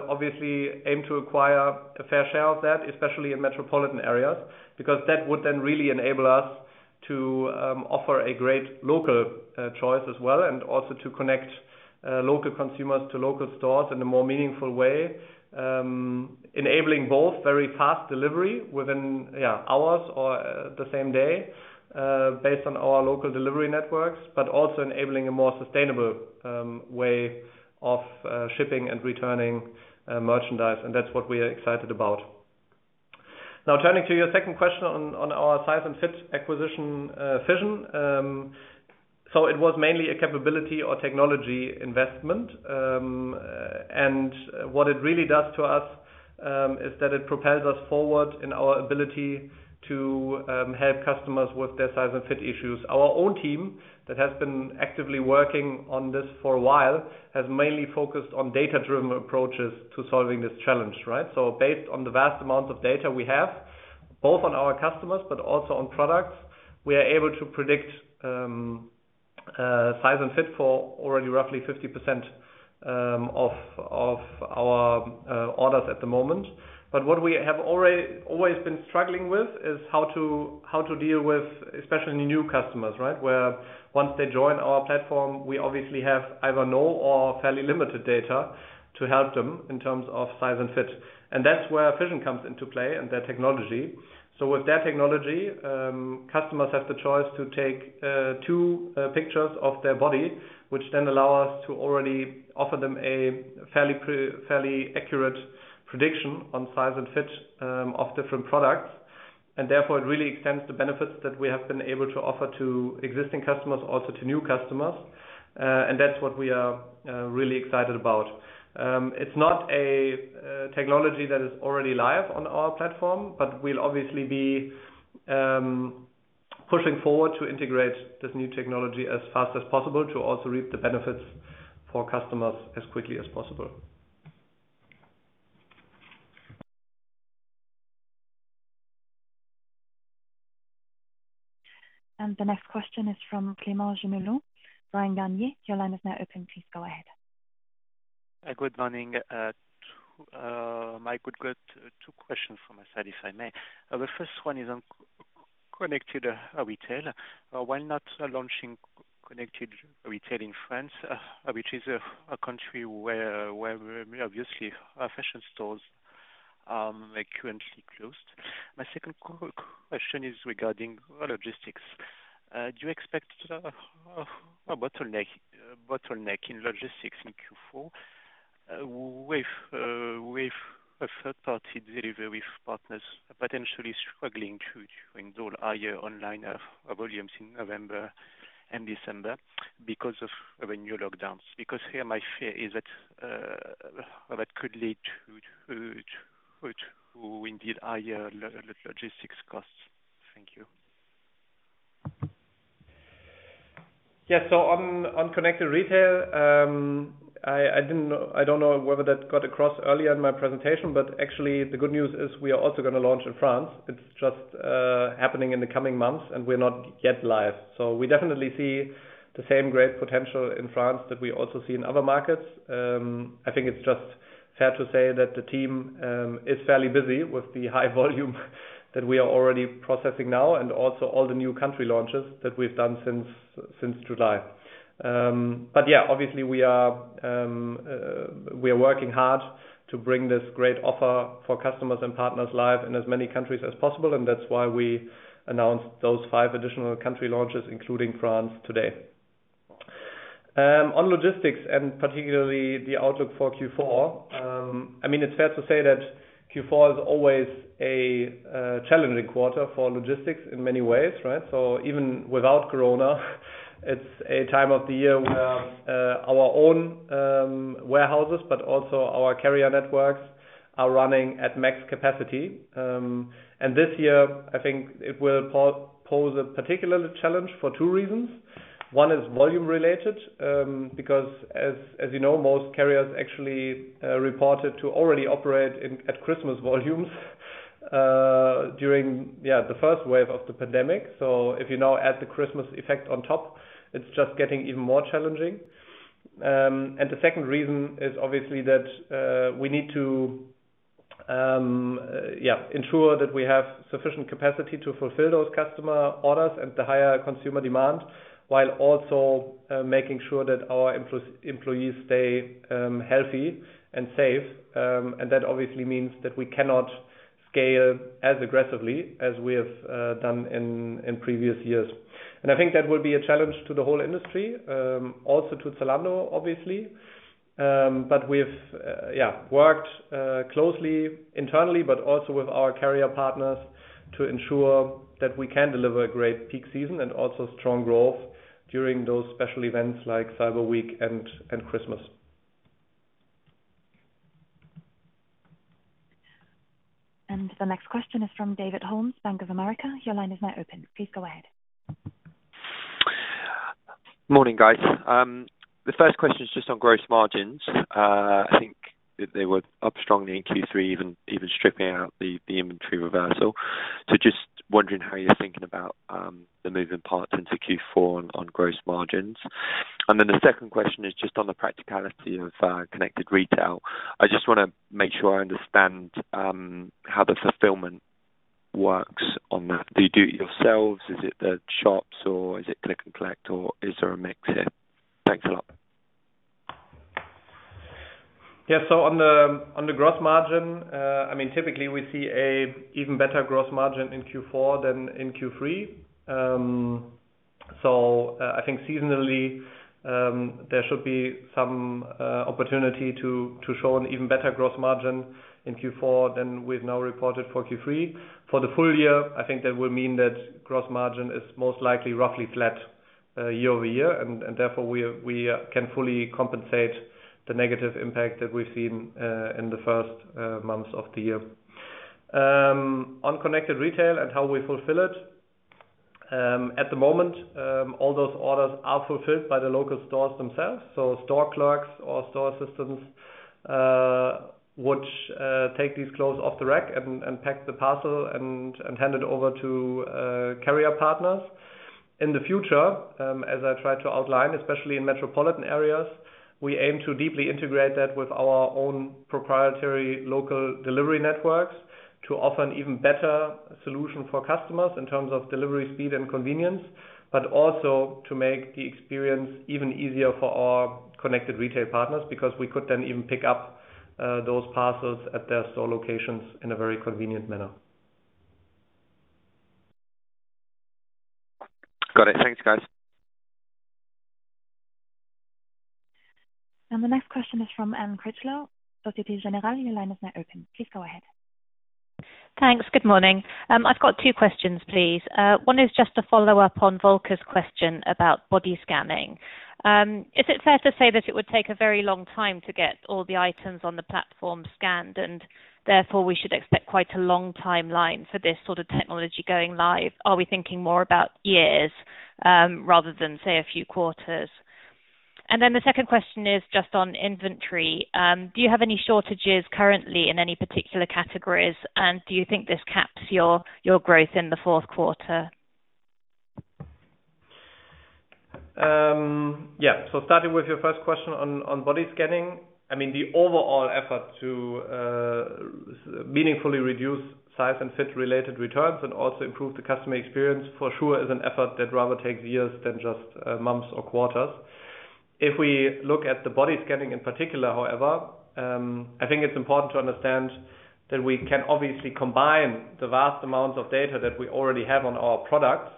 obviously aim to acquire a fair share of that, especially in metropolitan areas, because that would then really enable us to offer a great local choice as well, and also to connect local consumers to local stores in a more meaningful way, enabling both very fast delivery within hours or the same day based on our local delivery networks, but also enabling a more sustainable way of shipping and returning merchandise. That's what we are excited about. Turning to your second question on our size and fit acquisition, Fision. It was mainly a capability or technology investment. What it really does to us is that it propels us forward in our ability to help customers with their size and fit issues. Our own team that has been actively working on this for a while has mainly focused on data-driven approaches to solving this challenge. Based on the vast amount of data we have, both on our customers, but also on products, we are able to predict size and fit for already roughly 50% of our orders at the moment. What we have always been struggling with is how to deal with, especially new customers. Where once they join our platform, we obviously have either no or fairly limited data to help them in terms of size and fit. That's where Fision comes into play and their technology. With their technology, customers have the choice to take two pictures of their body, which then allow us to already offer them a fairly accurate prediction on size and fit of different products. Therefore, it really extends the benefits that we have been able to offer to existing customers, also to new customers. That's what we are really excited about. It's not a technology that is already live on our platform, but we'll obviously be pushing forward to integrate this new technology as fast as possible to also reap the benefits for customers as quickly as possible. The next question is from Clément Genelot. Bryan, Garnier, your line is now open. Please go ahead. Good morning. My, I've got two questions from my side, if I may. The first one is on Connected Retail. Why not launching Connected Retail in France, which is a country where obviously fashion stores are currently closed. My second question is regarding logistics. Do you expect a bottleneck in logistics in Q4 with a third-party delivery partners potentially struggling to handle higher online volumes in November and December because of the new lockdowns? Here my fear is that could lead to indeed higher logistics costs. Thank you. On Connected Retail, I don't know whether that got across earlier in my presentation, but actually the good news is we are also going to launch in France. It's just happening in the coming months, and we're not yet live. We definitely see the same great potential in France that we also see in other markets. I think it's just fair to say that the team is fairly busy with the high volume that we are already processing now and also all the new country launches that we've done since July. Obviously we are working hard to bring this great offer for customers and partners live in as many countries as possible, and that's why we announced those five additional country launches, including France today. On logistics and particularly the outlook for Q4. It's fair to say that Q4 is always a challenging quarter for logistics in many ways. Even without Corona, it's a time of the year where our own warehouses, but also our carrier networks are running at max capacity. This year, I think it will pose a particular challenge for two reasons. One is volume related, because as you know, most carriers actually reported to already operate at Christmas volumes during the first wave of the pandemic. If you now add the Christmas effect on top, it's just getting even more challenging. The second reason is obviously that we need to ensure that we have sufficient capacity to fulfill those customer orders and the higher consumer demand, while also making sure that our employees stay healthy and safe. That obviously means that we cannot scale as aggressively as we have done in previous years. I think that will be a challenge to the whole industry, also to Zalando, obviously. We've worked closely internally, but also with our carrier partners to ensure that we can deliver a great peak season and also strong growth during those special events like Cyber Week and Christmas. The next question is from David Holmes, Bank of America. Your line is now open. Please go ahead. Morning, guys. The first question is just on gross margins. I think they were up strongly in Q3, even stripping out the inventory reversal. Just wondering how you're thinking about the moving parts into Q4 on gross margins. The second question is just on the practicality of Connected Retail. I just want to make sure I understand how the fulfillment works on that. Do you do it yourselves? Is it the shops or is it click and collect or is there a mix here? Thanks a lot. Yeah. On the gross margin, typically we see an even better gross margin in Q4 than in Q3. I think seasonally, there should be some opportunity to show an even better gross margin in Q4 than we've now reported for Q3. For the full year, I think that will mean that gross margin is most likely roughly flat year-over-year, and therefore we can fully compensate the negative impact that we've seen in the first months of the year. On Connected Retail and how we fulfill it, at the moment, all those orders are fulfilled by the local stores themselves. Store clerks or store assistants would take these clothes off the rack and pack the parcel and hand it over to carrier partners. In the future, as I try to outline, especially in metropolitan areas, we aim to deeply integrate that with our own proprietary local delivery networks to offer an even better solution for customers in terms of delivery speed and convenience, but also to make the experience even easier for our Connected Retail partners, because we could then even pick up those parcels at their store locations in a very convenient manner. Got it. Thanks, guys. The next question is from Anne Critchlow, Société Générale. Your line is now open. Please go ahead. Thanks. Good morning. I've got two questions, please. One is just a follow-up on Volker's question about body scanning. Is it fair to say that it would take a very long time to get all the items on the platform scanned, and therefore we should expect quite a long timeline for this sort of technology going live? Are we thinking more about years rather than, say, a few quarters? The second question is just on inventory. Do you have any shortages currently in any particular categories, and do you think this caps your growth in the fourth quarter? Yeah. Starting with your first question on body scanning. The overall effort to meaningfully reduce size and fit related returns and also improve the customer experience for sure is an effort that rather takes years than just months or quarters. If we look at the body scanning in particular, however, I think it's important to understand that we can obviously combine the vast amounts of data that we already have on our products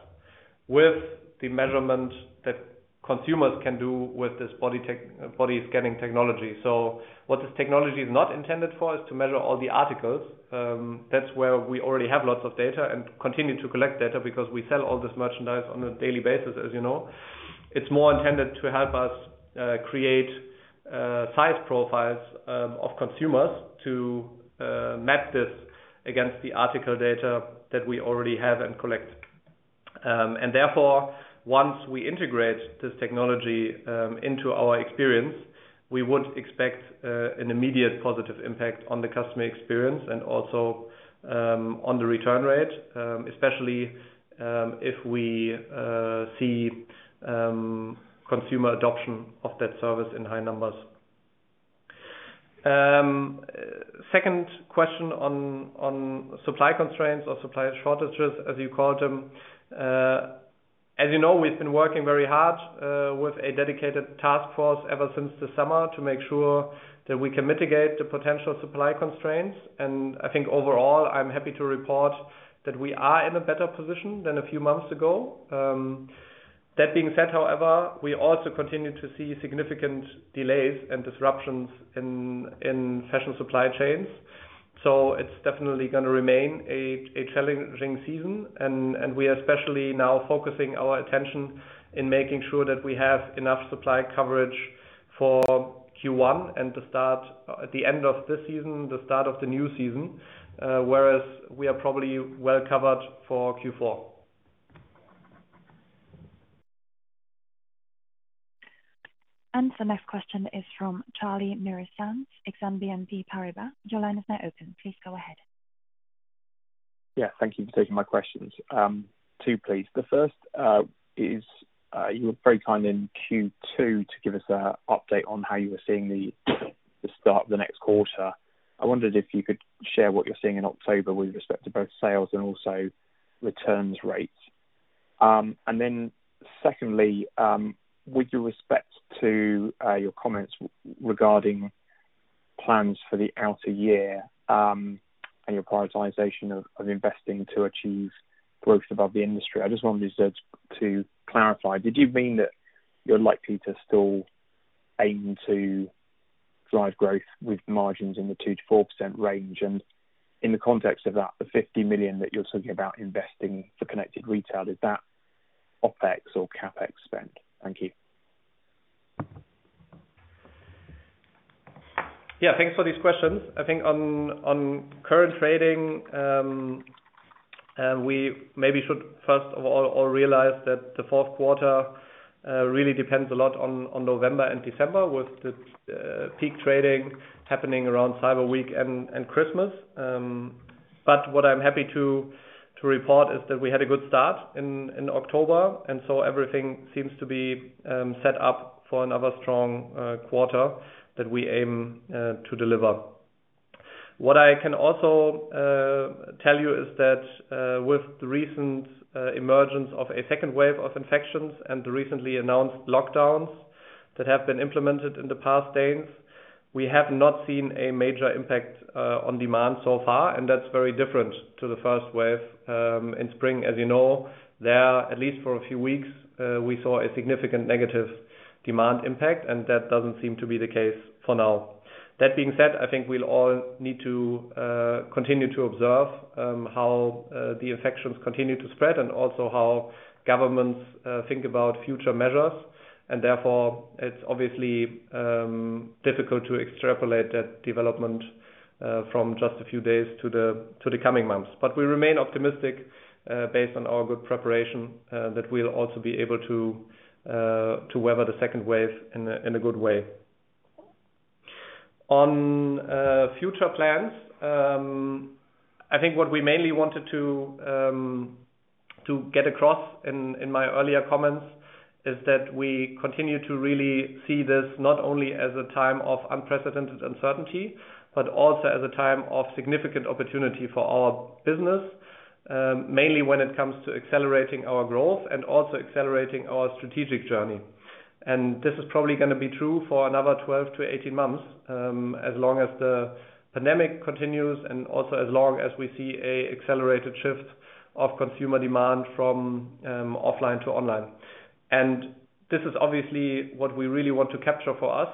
with the measurement that consumers can do with this body scanning technology. What this technology is not intended for is to measure all the articles. That's where we already have lots of data and continue to collect data because we sell all this merchandise on a daily basis, as you know. It's more intended to help us create size profiles of consumers to map this against the article data that we already have and collect. Therefore, once we integrate this technology into our experience, we would expect an immediate positive impact on the customer experience and also on the return rate, especially if we see consumer adoption of that service in high numbers. Second question on supply constraints or supply shortages, as you call them. As you know, we've been working very hard with a dedicated task force ever since the summer to make sure that we can mitigate the potential supply constraints. I think overall, I'm happy to report that we are in a better position than a few months ago. That being said, however, we also continue to see significant delays and disruptions in fashion supply chains. It's definitely going to remain a challenging season, and we are especially now focusing our attention in making sure that we have enough supply coverage for Q1 and the end of this season, the start of the new season, whereas we are probably well-covered for Q4. The next question is from Charlie Muir-Sands, Exane BNP Paribas. Your line is now open. Please go ahead. Yeah. Thank you for taking my questions. Two, please. The first is, you were very kind in Q2 to give us an update on how you were seeing the start of the next quarter. I wondered if you could share what you're seeing in October with respect to both sales and also returns rates. Then secondly, with your respect to your comments regarding plans for the outer year and your prioritization of investing to achieve growth above the industry, I just wanted to clarify, did you mean that you're likely to still aim to drive growth with margins in the 2%-4% range? In the context of that, the 50 million that you're talking about investing for Connected Retail, is that? OpEx or CapEx spend? Thank you. Yeah. Thanks for these questions. I think on current trading, we maybe should first of all realize that the fourth quarter really depends a lot on November and December with the peak trading happening around Cyber Week and Christmas. What I'm happy to report is that we had a good start in October, and so everything seems to be set up for another strong quarter that we aim to deliver. What I can also tell you is that with the recent emergence of a second wave of infections and the recently announced lockdowns that have been implemented in the past days, we have not seen a major impact on demand so far, and that's very different to the first wave in spring, as you know. There, at least for a few weeks, we saw a significant negative demand impact, and that doesn't seem to be the case for now. That being said, I think we'll all need to continue to observe how the infections continue to spread and also how governments think about future measures. Therefore, it's obviously difficult to extrapolate that development from just a few days to the coming months. We remain optimistic based on our good preparation, that we'll also be able to weather the second wave in a good way. On future plans, I think what we mainly wanted to get across in my earlier comments is that we continue to really see this not only as a time of unprecedented uncertainty, but also as a time of significant opportunity for our business. Mainly when it comes to accelerating our growth and also accelerating our strategic journey. This is probably going to be true for another 12-18 months, as long as the pandemic continues and also as long as we see a accelerated shift of consumer demand from offline to online. This is obviously what we really want to capture for us,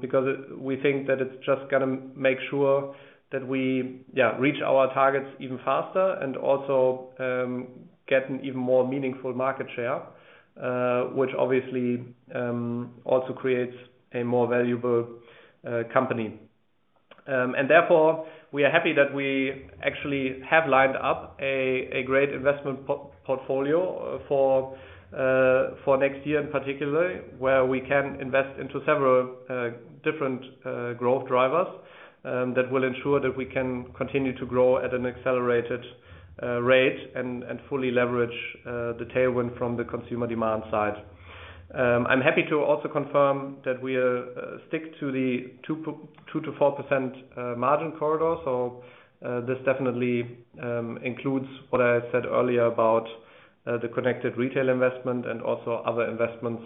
because we think that it's just going to make sure that we reach our targets even faster and also get an even more meaningful market share, which obviously also creates a more valuable company. Therefore, we are happy that we actually have lined up a great investment portfolio for next year in particular, where we can invest into several different growth drivers that will ensure that we can continue to grow at an accelerated rate and fully leverage the tailwind from the consumer demand side. I'm happy to also confirm that we'll stick to the 2%-4% margin corridor. This definitely includes what I said earlier about the Connected Retail investment and also other investments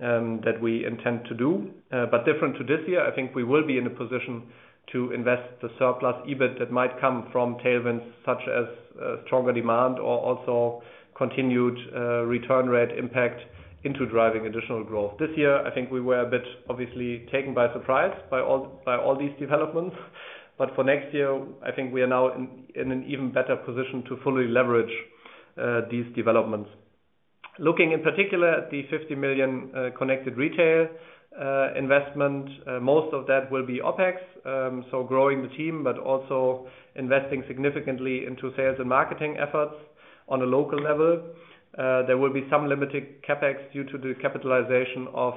that we intend to do. Different to this year, I think we will be in a position to invest the surplus EBIT that might come from tailwinds such as stronger demand or also continued return rate impact into driving additional growth. This year, I think we were a bit obviously taken by surprise by all these developments, but for next year, I think we are now in an even better position to fully leverage these developments. Looking in particular at the 50 million Connected Retail investment, most of that will be OpEx. Growing the team, but also investing significantly into sales and marketing efforts on a local level. There will be some limited CapEx due to the capitalization of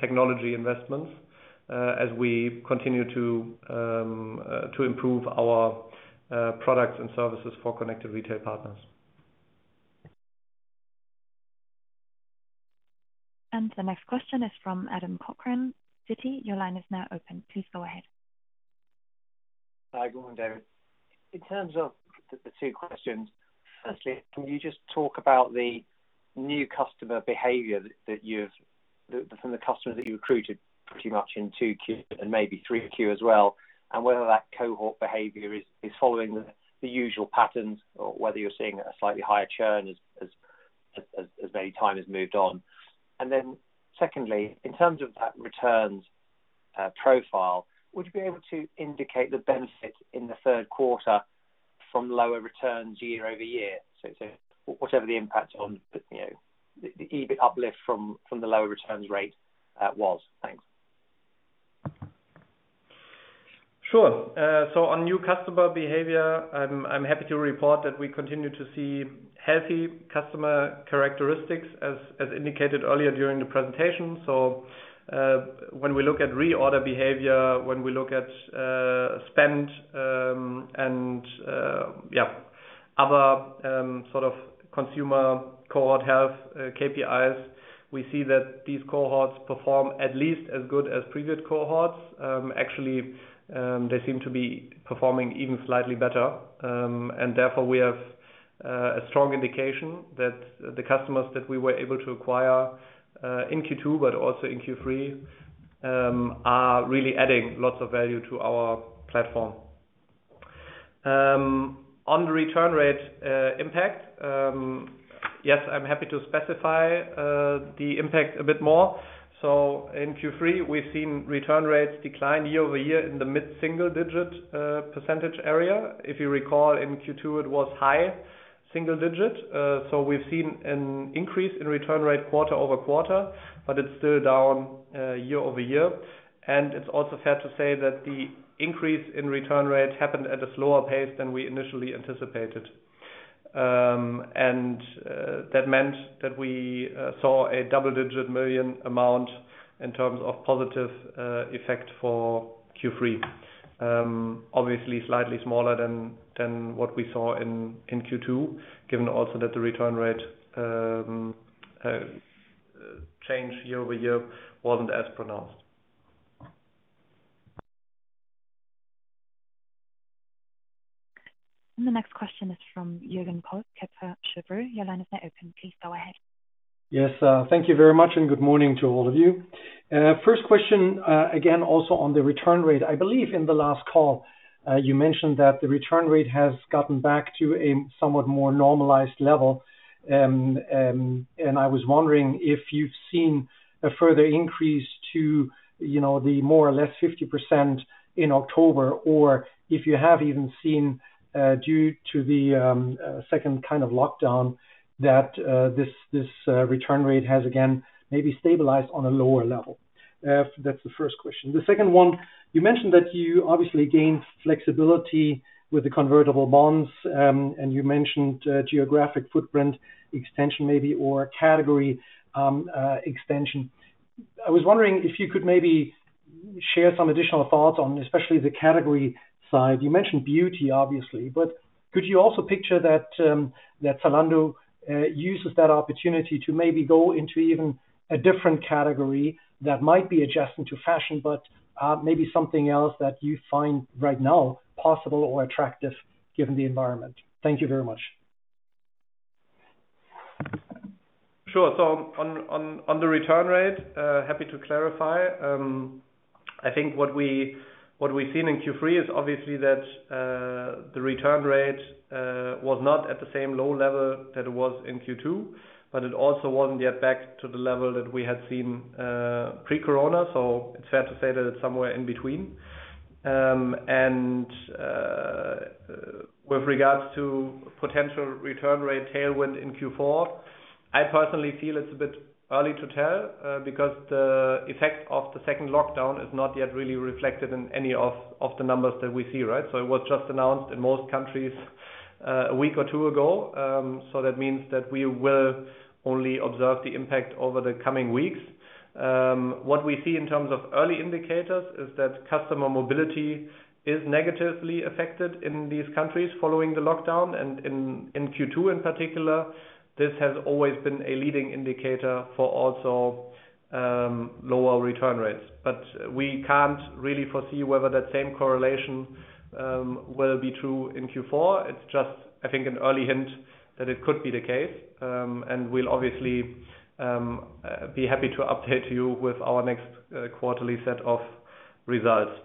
technology investments as we continue to improve our products and services for Connected Retail partners. The next question is from Adam Cochrane, Citi. Your line is now open. Please go ahead. Hi, good morning, David. In terms of the two questions, firstly, can you just talk about the new customer behavior from the customers that you recruited pretty much in 2Q and maybe 3Q as well, and whether that cohort behavior is following the usual patterns or whether you're seeing a slightly higher churn as maybe time has moved on? Secondly, in terms of that returns profile, would you be able to indicate the benefit in the third quarter from lower returns year-over-year? So whatever the impact on the EBIT uplift from the lower returns rate was. Thanks. Sure. On new customer behavior, I'm happy to report that we continue to see healthy customer characteristics as indicated earlier during the presentation. When we look at reorder behavior, when we look at spend and other sort of consumer cohort health, KPIs, we see that these cohorts perform at least as good as previous cohorts. Actually, they seem to be performing even slightly better. Therefore, we have a strong indication that the customers that we were able to acquire in Q2, but also in Q3, are really adding lots of value to our platform. On the return rate impact. Yes, I'm happy to specify the impact a bit more. In Q3, we've seen return rates decline year-over-year in the mid-single digit percentage area. If you recall, in Q2 it was high single digit. We've seen an increase in return rate quarter-over-quarter, but it's still down year-over-year. It's also fair to say that the increase in return rate happened at a slower pace than we initially anticipated. That meant that we saw a double-digit million amount in terms of positive effect for Q3. Obviously slightly smaller than what we saw in Q2, given also that the return rate change year-over-year wasn't as pronounced. The next question is from Jürgen Kolb, Kepler Cheuvreux. Your line is now open. Please go ahead. Yes. Thank you very much, and good morning to all of you. First question, again, also on the return rate. I believe in the last call, you mentioned that the return rate has gotten back to a somewhat more normalized level. I was wondering if you've seen a further increase to the more or less 50% in October, or if you have even seen, due to the second lockdown, that this return rate has again maybe stabilized on a lower level. That's the first question. The second one, you mentioned that you obviously gained flexibility with the convertible bonds. You mentioned geographic footprint extension maybe, or category extension. I was wondering if you could maybe share some additional thoughts on especially the category side. You mentioned beauty, obviously, but could you also picture that Zalando uses that opportunity to maybe go into even a different category that might be adjacent to fashion, but maybe something else that you find right now possible or attractive given the environment? Thank you very much. Sure. On the return rate, happy to clarify. I think what we've seen in Q3 is obviously that the return rate was not at the same low level that it was in Q2, but it also wasn't yet back to the level that we had seen pre-COVID-19. It's fair to say that it's somewhere in between. And with regards to potential return rate tailwind in Q4, I personally feel it's a bit early to tell because the effect of the second lockdown is not yet really reflected in any of the numbers that we see, right? It was just announced in most countries a week or two ago. That means that we will only observe the impact over the coming weeks. What we see in terms of early indicators is that customer mobility is negatively affected in these countries following the lockdown. In Q2 in particular, this has always been a leading indicator for also lower return rates. We can't really foresee whether that same correlation will be true in Q4. It's just, I think, an early hint that it could be the case. We'll obviously be happy to update you with our next quarterly set of results.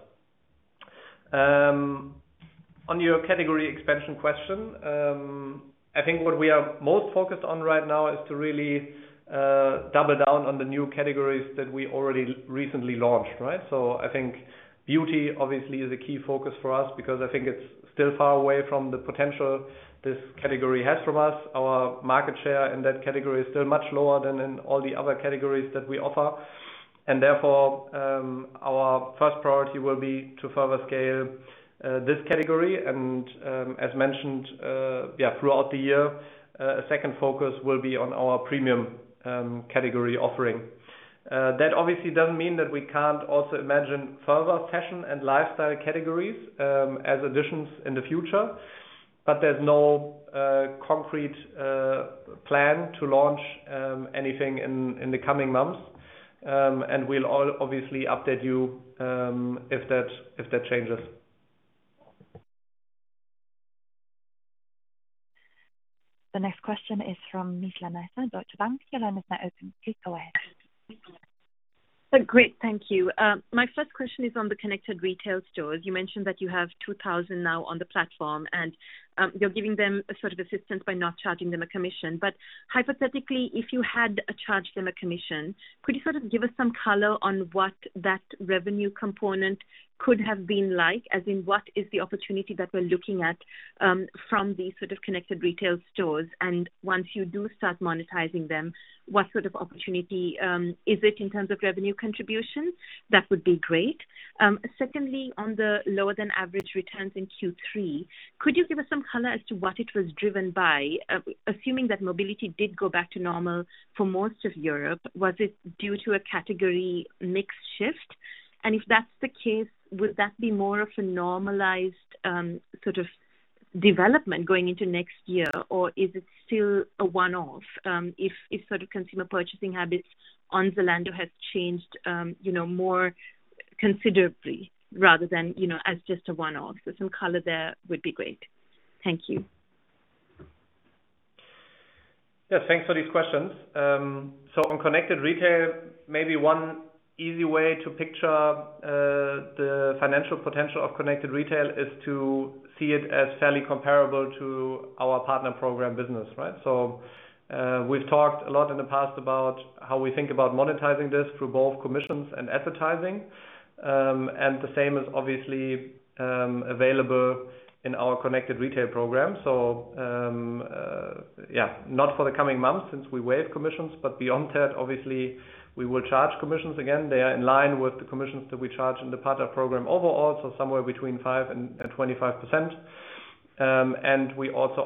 On your category expansion question. I think what we are most focused on right now is to really double down on the new categories that we already recently launched, right? I think beauty obviously is a key focus for us because I think it's still far away from the potential this category has from us. Our market share in that category is still much lower than in all the other categories that we offer. Therefore, our first priority will be to further scale this category. As mentioned throughout the year, a second focus will be on our premium category offering. That obviously doesn't mean that we can't also imagine further fashion and lifestyle categories as additions in the future, but there's no concrete plan to launch anything in the coming months. We'll obviously update you if that changes. The next question is from Nizla Naizer, Deutsche Bank. Your line is now open. Please go ahead. Great. Thank you. My first question is on the Connected Retail stores. You mentioned that you have 2,000 now on the platform, and you're giving them a sort of assistance by not charging them a commission. But hypothetically, if you had charged them a commission, could you give us some color on what that revenue component could have been like? As in, what is the opportunity that we're looking at from these sort of Connected Retail stores? And once you do start monetizing them, what sort of opportunity is it in terms of revenue contribution? That would be great. Secondly, on the lower than average returns in Q3, could you give us some color as to what it was driven by? Assuming that mobility did go back to normal for most of Europe, was it due to a category mix shift? If that's the case, would that be more of a normalized sort of development going into next year? Or is it still a one-off? If sort of consumer purchasing habits on Zalando has changed more considerably rather than as just a one-off. Some color there would be great. Thank you. Thanks for these questions. On Connected Retail, maybe one easy way to picture the financial potential of Connected Retail is to see it as fairly comparable to our partner program business. We've talked a lot in the past about how we think about monetizing this through both commissions and advertising. The same is obviously available in our Connected Retail program. Not for the coming months since we waived commissions, beyond that, obviously, we will charge commissions again. They are in line with the commissions that we charge in the partner program overall, somewhere between 5%-25%. We also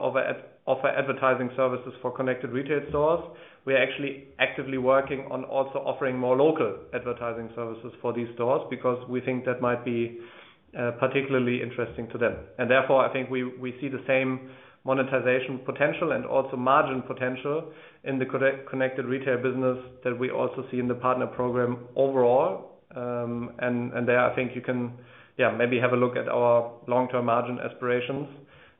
offer advertising services for Connected Retail stores. We are actually actively working on also offering more local advertising services for these stores because we think that might be particularly interesting to them. Therefore, I think we see the same monetization potential and also margin potential in the Connected Retail business that we also see in the partner program overall. There, I think you can maybe have a look at our long-term margin aspirations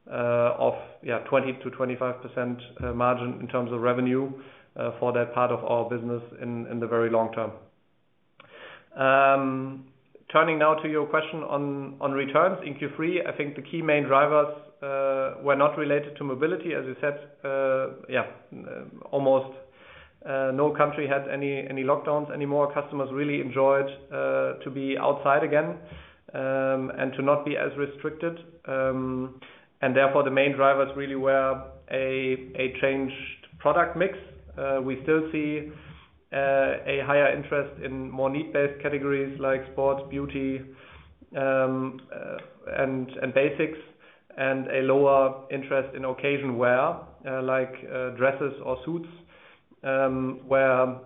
of 20%-25% margin in terms of revenue for that part of our business in the very long term. Turning now to your question on returns in Q3. I think the key main drivers were not related to mobility, as you said. Almost no country had any lockdowns anymore. Customers really enjoyed to be outside again and to not be as restricted. Therefore, the main drivers really were a changed product mix. We still see a higher interest in more need-based categories like sports, beauty, and basics, and a lower interest in occasion wear, like dresses or suits, where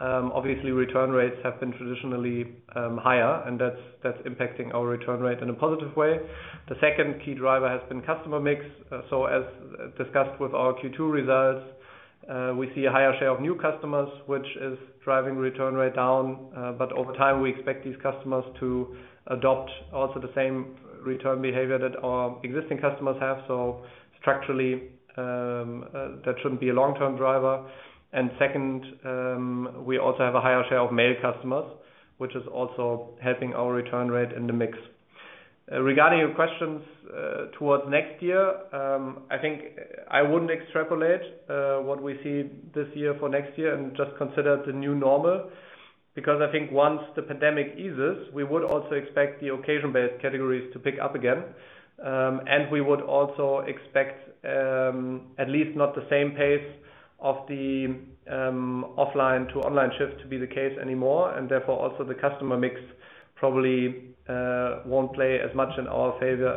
obviously return rates have been traditionally higher, and that's impacting our return rate in a positive way. The second key driver has been customer mix. As discussed with our Q2 results, we see a higher share of new customers, which is driving return rate down. Over time, we expect these customers to adopt also the same return behavior that our existing customers have. Structurally, that shouldn't be a long-term driver. Second, we also have a higher share of male customers, which is also helping our return rate in the mix. Regarding your questions towards next year, I think I wouldn't extrapolate what we see this year for next year and just consider it the new normal, because I think once the pandemic eases, we would also expect the occasion-based categories to pick up again. We would also expect at least not the same pace of the offline to online shift to be the case anymore. Therefore, also the customer mix probably won't play as much in our favor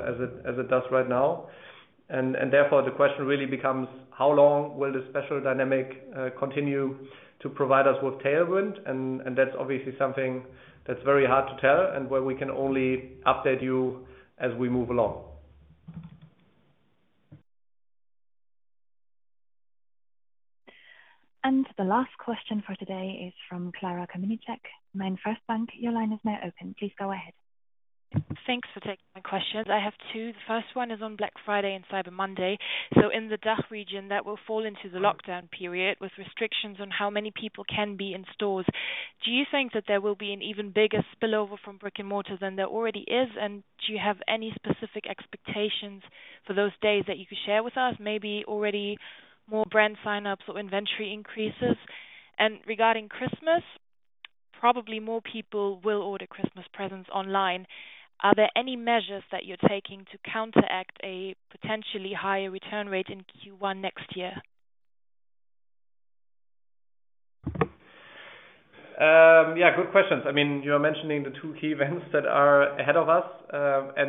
as it does right now. Therefore, the question really becomes how long will this special dynamic continue to provide us with tailwind? That's obviously something that's very hard to tell and where we can only update you as we move along. The last question for today is from Clara Kamenicek, MainFirst Bank. Your line is now open. Please go ahead. Thanks for taking my questions. I have two. The first one is on Black Friday and Cyber Monday. In the DACH region, that will fall into the lockdown period with restrictions on how many people can be in stores. Do you think that there will be an even bigger spillover from brick-and-mortar than there already is? Do you have any specific expectations for those days that you could share with us? Maybe already more brand sign-ups or inventory increases? Regarding Christmas, probably more people will order Christmas presents online. Are there any measures that you're taking to counteract a potentially higher return rate in Q1 next year? Yeah, good questions. You're mentioning the two key events that are ahead of us.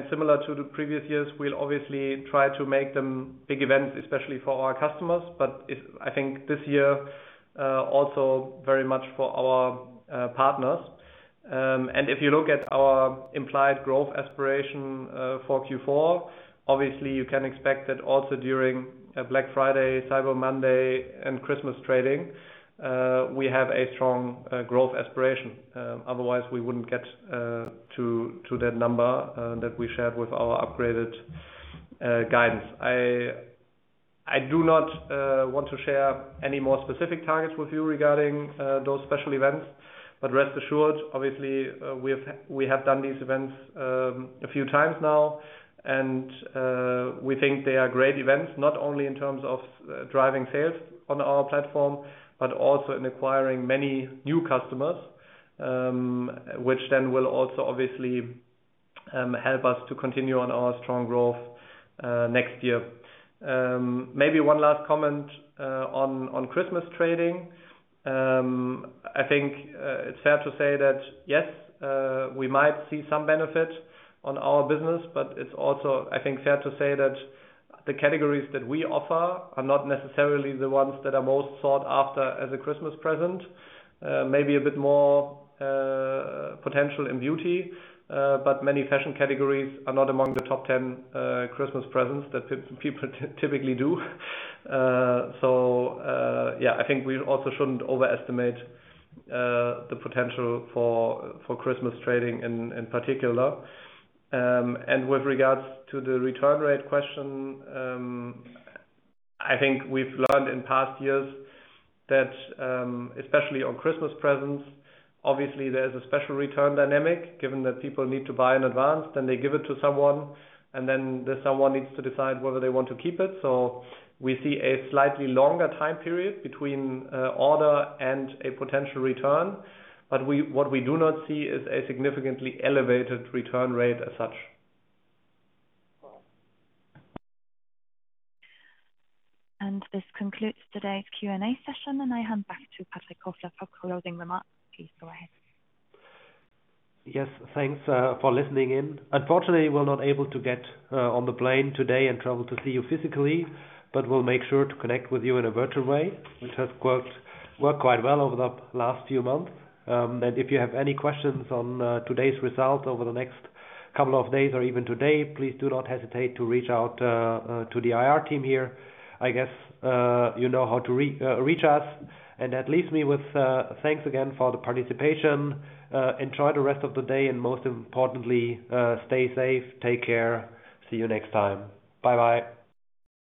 Similar to the previous years, we'll obviously try to make them big events, especially for our customers. I think this year, also very much for our partners. If you look at our implied growth aspiration for Q4, obviously you can expect that also during Black Friday, Cyber Monday, and Christmas trading, we have a strong growth aspiration. Otherwise, we wouldn't get to that number that we shared with our upgraded guidance. I do not want to share any more specific targets with you regarding those special events. Rest assured, obviously, we have done these events a few times now, and we think they are great events, not only in terms of driving sales on our platform, but also in acquiring many new customers, which then will also obviously help us to continue on our strong growth next year. Maybe one last comment on Christmas trading. I think it's fair to say that, yes, we might see some benefit on our business, but it's also, I think, fair to say that the categories that we offer are not necessarily the ones that are most sought after as a Christmas present. Maybe a bit more potential in beauty, but many fashion categories are not among the top 10 Christmas presents that people typically do. I think we also shouldn't overestimate the potential for Christmas trading in particular. With regards to the return rate question, I think we've learned in past years that, especially on Christmas presents, obviously, there's a special return dynamic given that people need to buy in advance, then they give it to someone, and then the someone needs to decide whether they want to keep it. We see a slightly longer time period between order and a potential return. What we do not see is a significantly elevated return rate as such. This concludes today's Q&A session, and I hand back to Patrick Kofler for closing remarks. Please go ahead. Yes, thanks for listening in. Unfortunately, we're not able to get on the plane today and travel to see you physically, but we'll make sure to connect with you in a virtual way, which has, quote, "worked quite well over the last few months." If you have any questions on today's result over the next couple of days or even today, please do not hesitate to reach out to the IR team here. I guess you know how to reach us. That leaves me with thanks again for the participation. Enjoy the rest of the day, and most importantly, stay safe, take care. See you next time. Bye-bye.